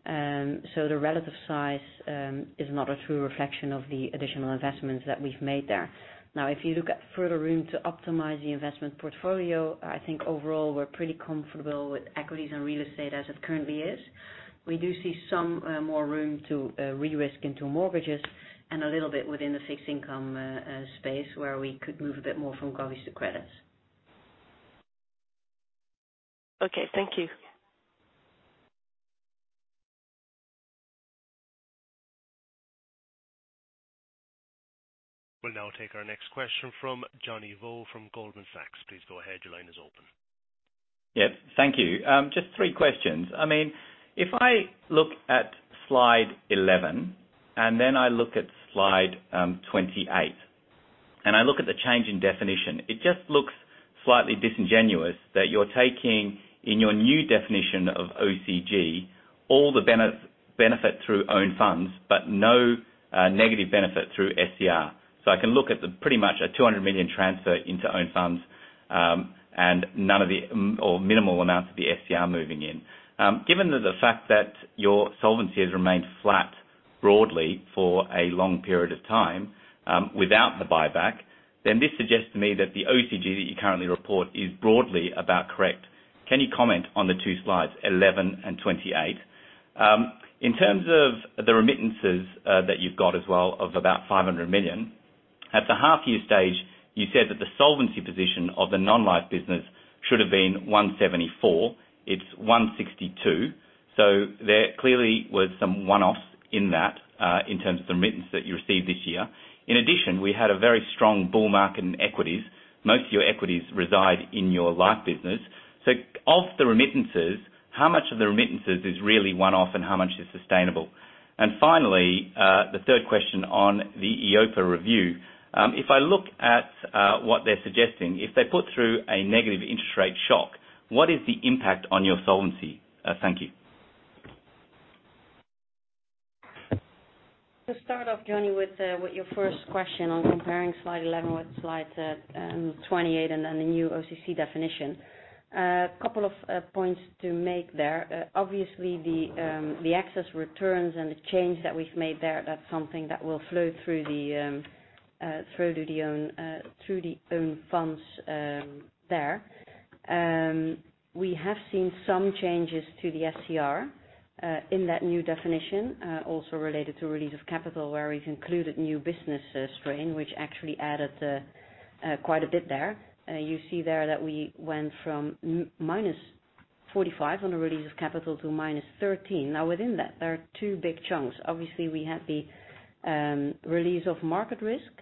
The relative size is not a true reflection of the additional investments that we've made there. If you look at further room to optimize the investment portfolio, I think overall, we're pretty comfortable with equities and real estate as it currently is. We do see some more room to rerisk into mortgages and a little bit within the fixed income space where we could move a bit more from govies to credits. Okay. Thank you. We'll now take our next question from Johnny Vo from Goldman Sachs. Please go ahead. Your line is open. Yep. Thank you. Just three questions. If I look at slide 11 and then I look at slide 28, and I look at the change in definition, it just looks slightly disingenuous that you're taking in your new definition of OCG all the benefit through own funds, but no negative benefit through SCR. I can look at pretty much a 200 million transfer into own funds, and minimal amounts of the SCR moving in. Given that the fact that your solvency has remained flat broadly for a long period of time without the buyback, this suggests to me that the OCG that you currently report is broadly about correct. Can you comment on the two slides, 11 and 28, in terms of the remittances that you've got as well of about 500 million? At the half year stage, you said that the solvency position of the Non-Life business should have been 174. It's 162. There clearly was some one-offs in that, in terms of the remittance that you received this year. In addition, we had a very strong bull market in equities. Most of your equities reside in your Life business. Of the remittances, how much of the remittances is really one-off and how much is sustainable? Finally, the third question on the EIOPA review. If I look at what they're suggesting, if they put through a negative interest rate shock, what is the impact on your solvency? Thank you. To start off, Johnny, with your first question on comparing slide 11 with slide 28, and then the new OCG definition. A couple of points to make there. Obviously, the excess returns and the change that we've made there, that's something that will flow through the own funds there. We have seen some changes to the SCR, in that new definition, also related to release of capital, where we've included new business strain, which actually added quite a bit there. You see there that we went from -45 on a release of capital to -13. Within that, there are two big chunks. Obviously, we had the release of market risk.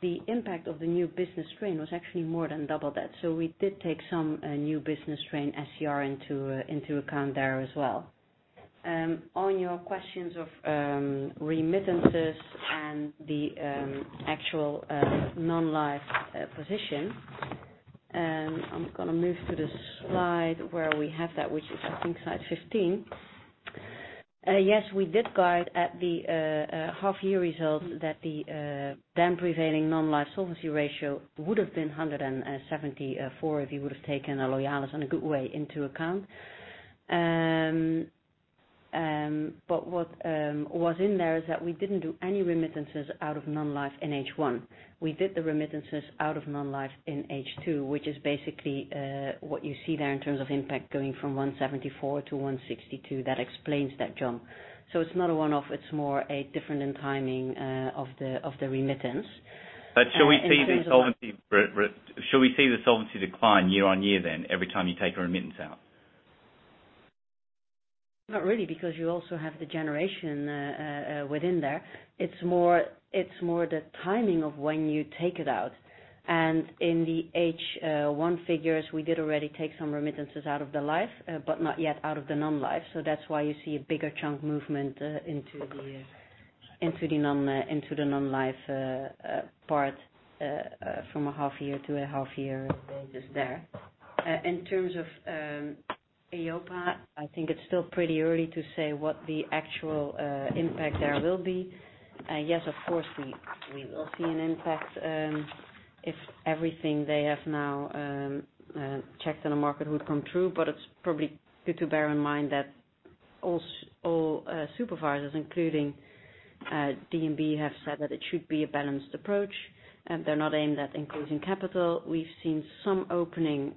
The impact of the new business strain was actually more than double that. We did take some new business strain SCR into account there as well. On your questions of remittances and the actual Non-Life position, I'm going to move to the slide where we have that, which is I think slide 15. We did guide at the half year results that the then prevailing Non-Life solvency ratio would have been 174 if you would have taken Loyalis and goodwill into account. What was in there is that we didn't do any remittances out of Non-Life in H1. We did the remittances out of Non-Life in H2, which is basically what you see there in terms of impact going from 174 to 162. That explains that jump. It's not a one-off, it's more a difference in timing of the remittance. Shall we see the solvency decline year-on-year then every time you take a remittance out? Not really, because you also have the generation within there. It's more the timing of when you take it out. In the H1 figures, we did already take some remittances out of the Life, but not yet out of the Non-Life. That's why you see a bigger chunk movement into the Non-Life part from a half year to a half year basis there. In terms of EIOPA, I think it's still pretty early to say what the actual impact there will be. Of course, we will see an impact if everything they have now checked in the market would come true, but it's probably good to bear in mind that all supervisors, including DNB, have said that it should be a balanced approach. They're not aimed at increasing capital. We've seen some opening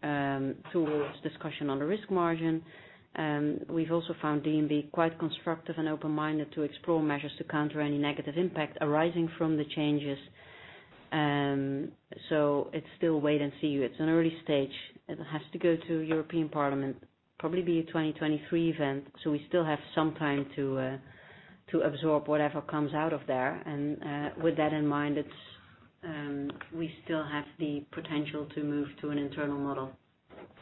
towards discussion on the risk margin. We've also found DNB quite constructive and open-minded to explore measures to counter any negative impact arising from the changes. It's still wait and see. It's an early stage. It has to go to European Parliament, probably be a 2023 event. We still have some time to absorb whatever comes out of there. With that in mind, we still have the potential to move to an internal model.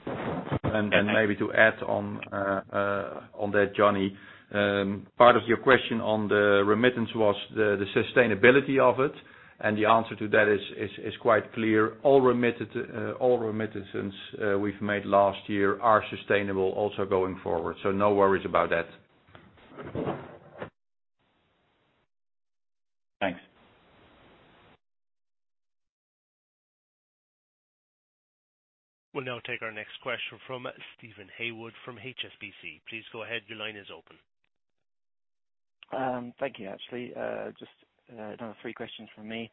Maybe to add on that, Johnny. Part of your question on the remittance was the sustainability of it. The answer to that is quite clear. All remittances we've made last year are sustainable also going forward. No worries about that. Thanks. We'll now take our next question from Steven Haywood from HSBC. Please go ahead. Your line is open. Thank you, Steve. Just another three questions from me.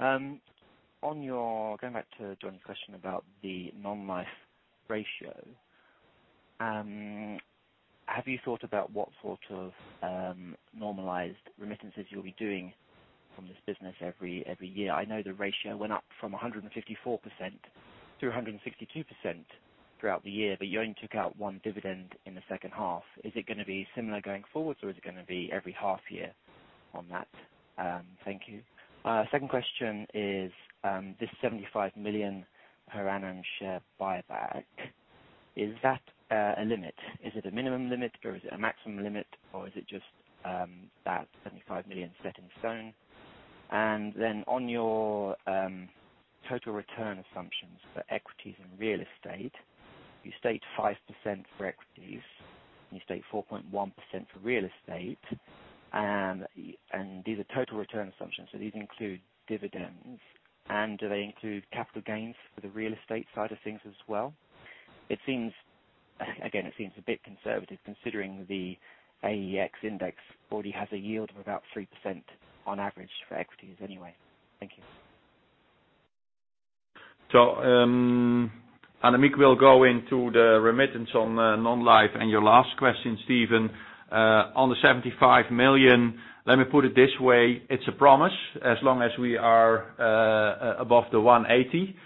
Going back to Johnny's question about the Non-Life ratio, have you thought about what sort of normalized remittances you'll be doing from this business every year? I know the ratio went up from 154% to 162% throughout the year, but you only took out one dividend in the second half. Is it going to be similar going forwards, or is it going to be every half year on that? Thank you. Second question is, this 75 million per annum share buyback. Is that a limit? Is it a minimum limit or is it a maximum limit, or is it just that 75 million set in stone? On your total return assumptions for equities and real estate, you state 5% for equities, and you state 4.1% for real estate. These are total return assumptions, so these include dividends. Do they include capital gains for the real estate side of things as well? Again, it seems a bit conservative considering the AEX index already has a yield of about 3% on average for equities anyway. Thank you. Annemiek will go into the remittance on Non-Life. Your last question, Steven, on the 75 million, let me put it this way. It's a promise, as long as we are above the 180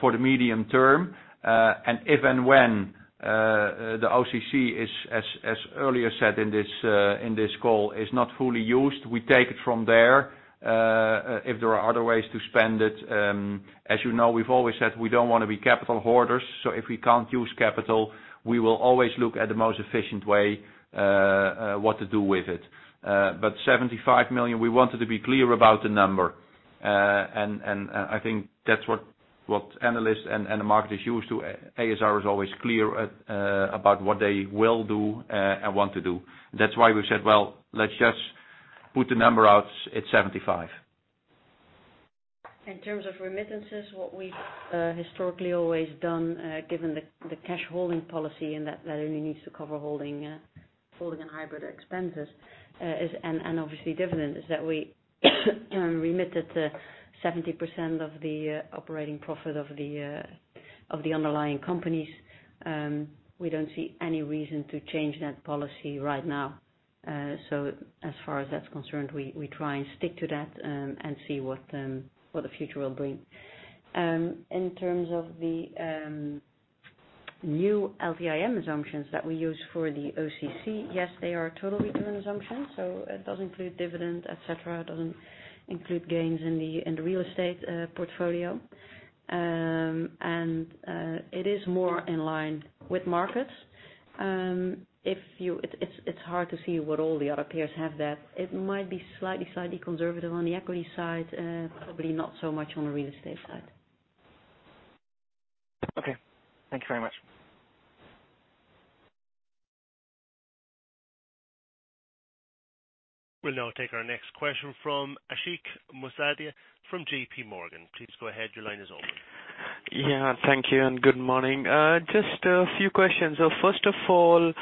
for the medium term. If and when the OCG, as earlier said in this call, is not fully used, we take it from there, if there are other ways to spend it. As you know, we've always said we don't want to be capital hoarders, so if we can't use capital, we will always look at the most efficient way what to do with it. 75 million, we wanted to be clear about the number, and I think that's what analysts and the market is used to. ASR is always clear about what they will do and want to do. That's why we said, well, let's just put the number out. It's 75. In terms of remittances, what we've historically always done, given the cash holding policy, and that only needs to cover holding and hybrid expenses, and obviously dividends, is that we remitted 70% of the operating profit of the underlying companies. We don't see any reason to change that policy right now. As far as that's concerned, we try and stick to that, and see what the future will bring. In terms of the new LVIM assumptions that we use for the OCG, yes, they are total return assumptions. It does include dividend, et cetera. It doesn't include gains in the real estate portfolio. It is more in line with markets. It's hard to see what all the other peers have there. It might be slightly conservative on the equity side, probably not so much on the real estate side. Okay. Thank you very much. We'll now take our next question from Ashik Musaddi from JPMorgan. Please go ahead. Your line is open. Thank you, and good morning. Just a few questions. First of all,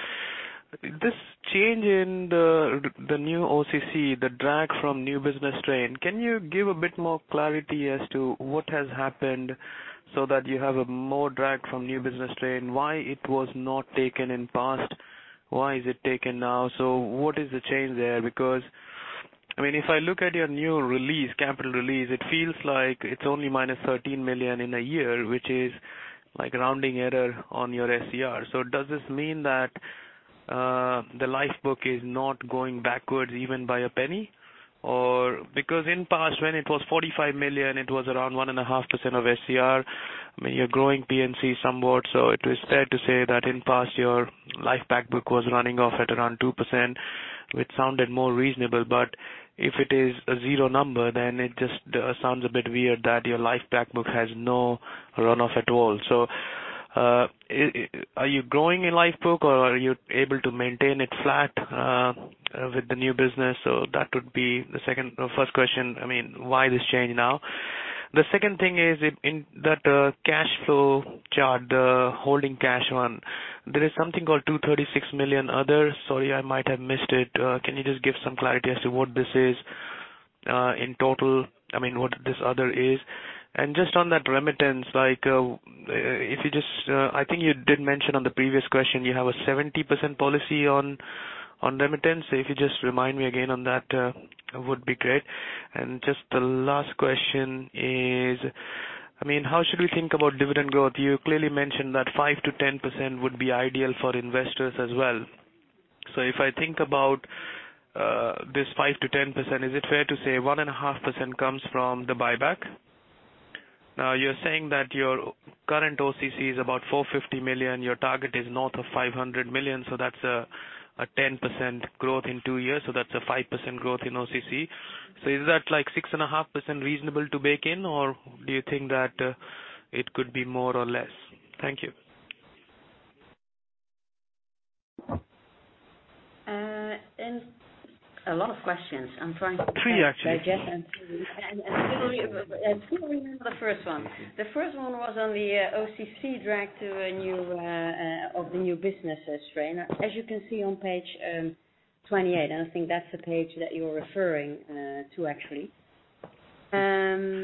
this change in the new OCC, the drag from new business strain, can you give a bit more clarity as to what has happened so that you have more drag from new business strain? Why it was not taken in past? Why is it taken now? What is the change there? If I look at your new capital release, it feels like it's only -13 million in a year, which is like rounding error on your SCR. Does this mean that the life book is not going backwards even by a penny? In past when it was 45 million, it was around 1.5% of SCR. You're growing P&C somewhat, so it is fair to say that in past, your life back book was running off at around 2%, which sounded more reasonable. If it is a zero number, then it just sounds a bit weird that your life back book has no runoff at all. Are you growing in life book, or are you able to maintain it flat with the new business? That would be the first question. Why this change now? The second thing is, in that cash flow chart, the holding cash one, there is something called 236 million other. Sorry, I might have missed it. Can you just give some clarity as to what this is in total? What this other is? Just on that remittance, I think you did mention on the previous question, you have a 70% policy on remittance. If you just remind me again on that would be great. Just the last question is, how should we think about dividend growth? You clearly mentioned that 5%-10% would be ideal for investors as well. If I think about this 5%-10%, is it fair to say 1.5% comes from the buyback? Now you're saying that your current OCC is about 450 million. Your target is north of 500 million. That's a 10% growth in two years. That's a 5% growth in OCC. Is that 6.5% reasonable to bake in, or do you think that it could be more or less? Thank you. A lot of questions. Three, actually. Yes. I still remember the first one. The first one was on the OCC drag of the new businesses strain. As you can see on page 28, and I think that is the page that you are referring to, actually. There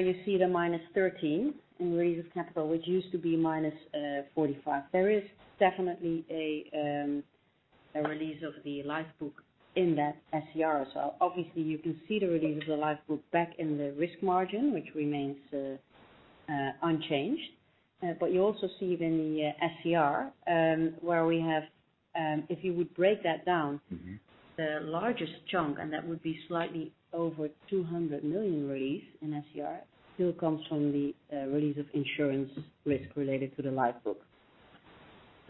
you see the -13 in release of capital, which used to be -45. There is definitely a release of the life book in that SCR. Obviously you can see the release of the life book back in the risk margin, which remains unchanged. You also see it in the SCR. If you would break that down. The largest chunk, that would be slightly over 200 million release in SCR, still comes from the release of insurance risk related to the life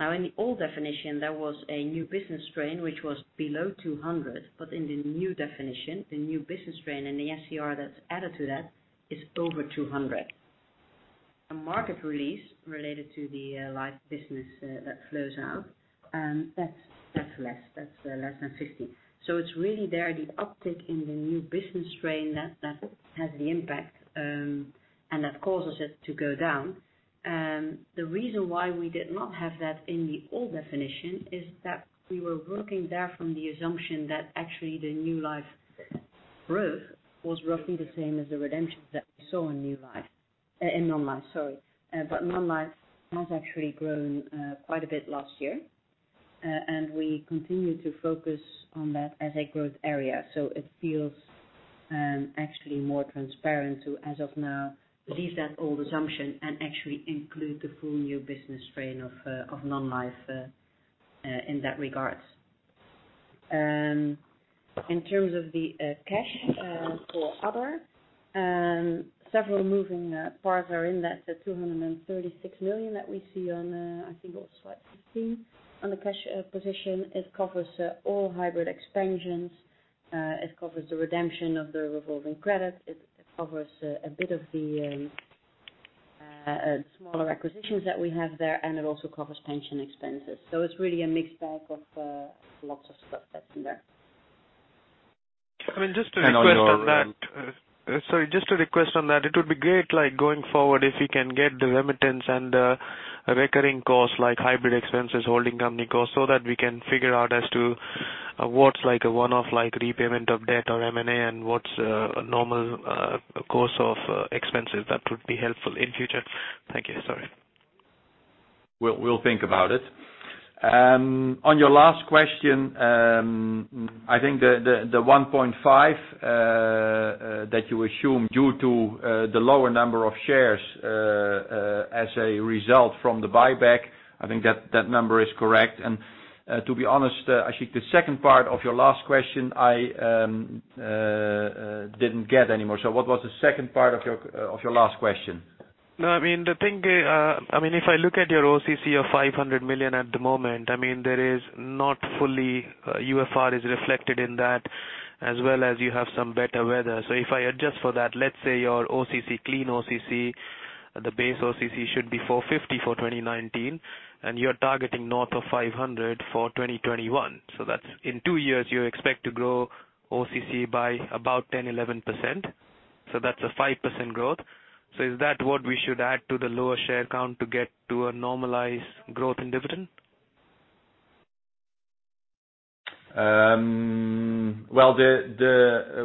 book. In the old definition, there was a new business strain which was below 200. In the new definition, the new business strain and the SCR that's added to that is over 200. A market release related to the Life business that flows out, that's less than 50. It's really there, the uptick in the new business strain that has the impact and that causes it to go down. The reason why we did not have that in the old definition is that we were working there from the assumption that actually the new life growth was roughly the same as the redemptions that we saw in Non-Life. Non-Life has actually grown quite a bit last year. We continue to focus on that as a growth area. It feels actually more transparent to, as of now, leave that old assumption and actually include the full new business strain of Non-Life in that regards. In terms of the cash for other, several moving parts are in that 236 million that we see on, I think on slide 15. On the cash position, it covers all hybrid expansions, it covers the redemption of the revolving credit, it covers a bit of the smaller acquisitions that we have there, and it also covers pension expenses. It's really a mixed bag of lots of stuff that's in there. Just a request on that. It would be great going forward if we can get the remittance and the recurring costs, like hybrid expenses, holding company costs, that we can figure out as to what's a one-off repayment of debt or M&A and what's a normal course of expenses. That would be helpful in future. Thank you. Sorry. We'll think about it. On your last question, I think the 1.5 that you assume due to the lower number of shares as a result from the buyback, I think that number is correct. To be honest, I think the second part of your last question, I didn't get anymore. What was the second part of your last question? If I look at your OCC of 500 million at the moment, there is not fully UFR is reflected in that, as well as you have some better weather. If I adjust for that, let's say your clean OCC, the base OCC should be 450 million for 2019, and you're targeting north of 500 million for 2021. That's in two years, you expect to grow OCC by about 10%-11%. That's a 5% growth. Is that what we should add to the lower share count to get to a normalized growth in dividend? Well,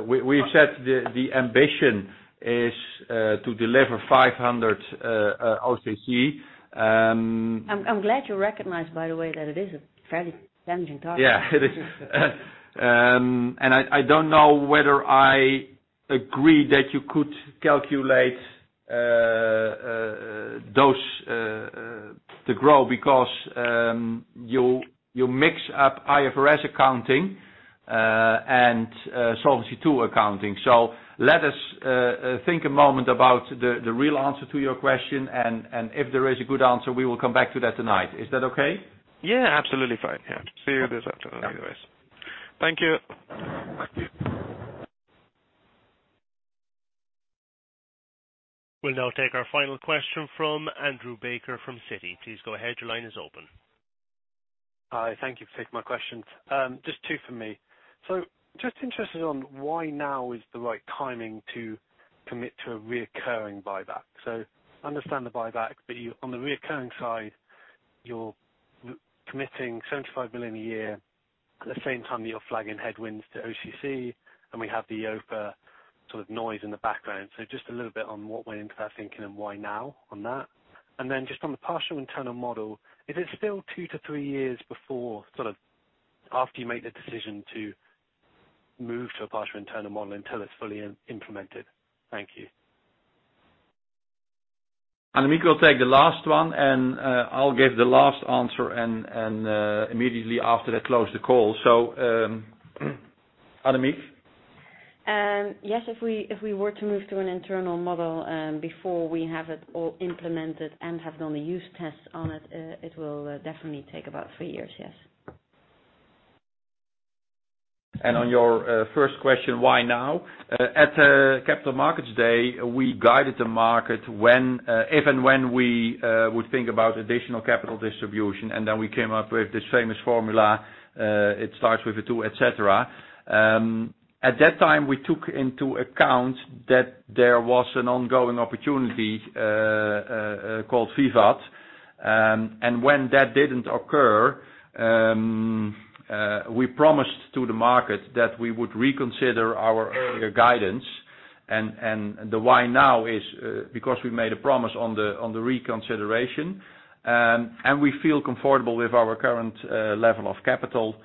we've said the ambition is to deliver 500 OCC. I'm glad you recognize, by the way, that it is a very challenging target. It is. I don't know whether I agree that you could calculate those to grow because you mix up IFRS accounting and Solvency II accounting. Let us think a moment about the real answer to your question, and if there is a good answer, we will come back to that tonight. Is that okay? Yeah, absolutely fine. Yeah. See you this afternoon, anyways. Thank you. Thank you. We'll now take our final question from Andrew Baker from Citi. Please go ahead. Your line is open. Hi. Thank you for taking my questions. Just two from me. Just interested on why now is the right timing to commit to a recurring buyback. Understand the buyback, but on the recurring side, you're committing 75 million a year at the same time that you're flagging headwinds to OCC, and we have the EIOPA sort of noise in the background. Just a little bit on what went into that thinking and why now on that. Just on the partial internal model, is it still two to three years before sort of after you make the decision to move to a partial internal model until it's fully implemented? Thank you. Annemiek will take the last one, and I'll give the last answer, and immediately after that, close the call. Annemiek? Yes, if we were to move to an internal model before we have it all implemented and have done the use tests on it will definitely take about three years, yes. On your first question, why now? At Capital Markets Day, we guided the market if and when we would think about additional capital distribution, and then we came up with this famous formula. It starts with a two, et cetera. At that time, we took into account that there was an ongoing opportunity called VIVAT. When that didn't occur, we promised to the market that we would reconsider our earlier guidance. The why now is because we made a promise on the reconsideration. We feel comfortable with our current level of capital.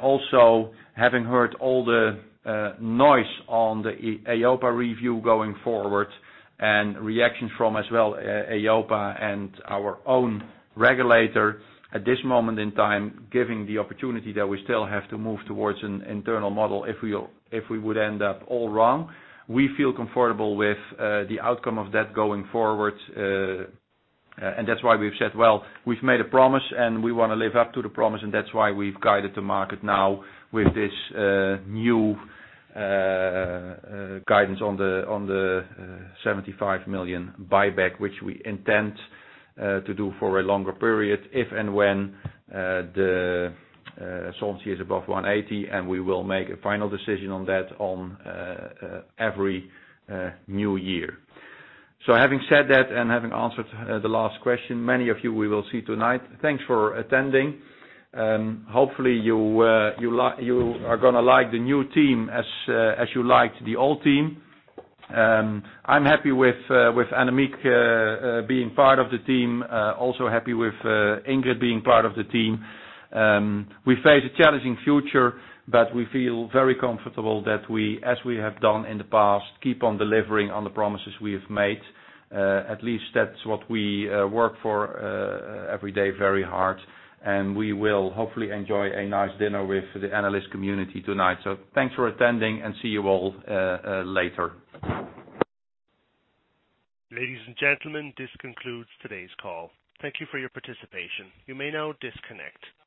Also having heard all the noise on the EIOPA review going forward and reactions from as well EIOPA and our own regulator at this moment in time, given the opportunity that we still have to move towards an internal model, if we would end up all wrong, we feel comfortable with the outcome of that going forward. That's why we've said, well, we've made a promise, and we want to live up to the promise, and that's why we've guided the market now with this new guidance on the 75 million buyback, which we intend to do for a longer period, if and when the solvency is above 180%, and we will make a final decision on that on every new year. Having said that, and having answered the last question, many of you we will see tonight. Thanks for attending. Hopefully, you are going to like the new team as you liked the old team. I'm happy with Annemiek being part of the team, also happy with Ingrid being part of the team. We face a challenging future, but we feel very comfortable that we, as we have done in the past, keep on delivering on the promises we have made. At least that's what we work for every day very hard, and we will hopefully enjoy a nice dinner with the analyst community tonight. Thanks for attending, and see you all later. Ladies and gentlemen, this concludes today's call. Thank you for your participation. You may now disconnect.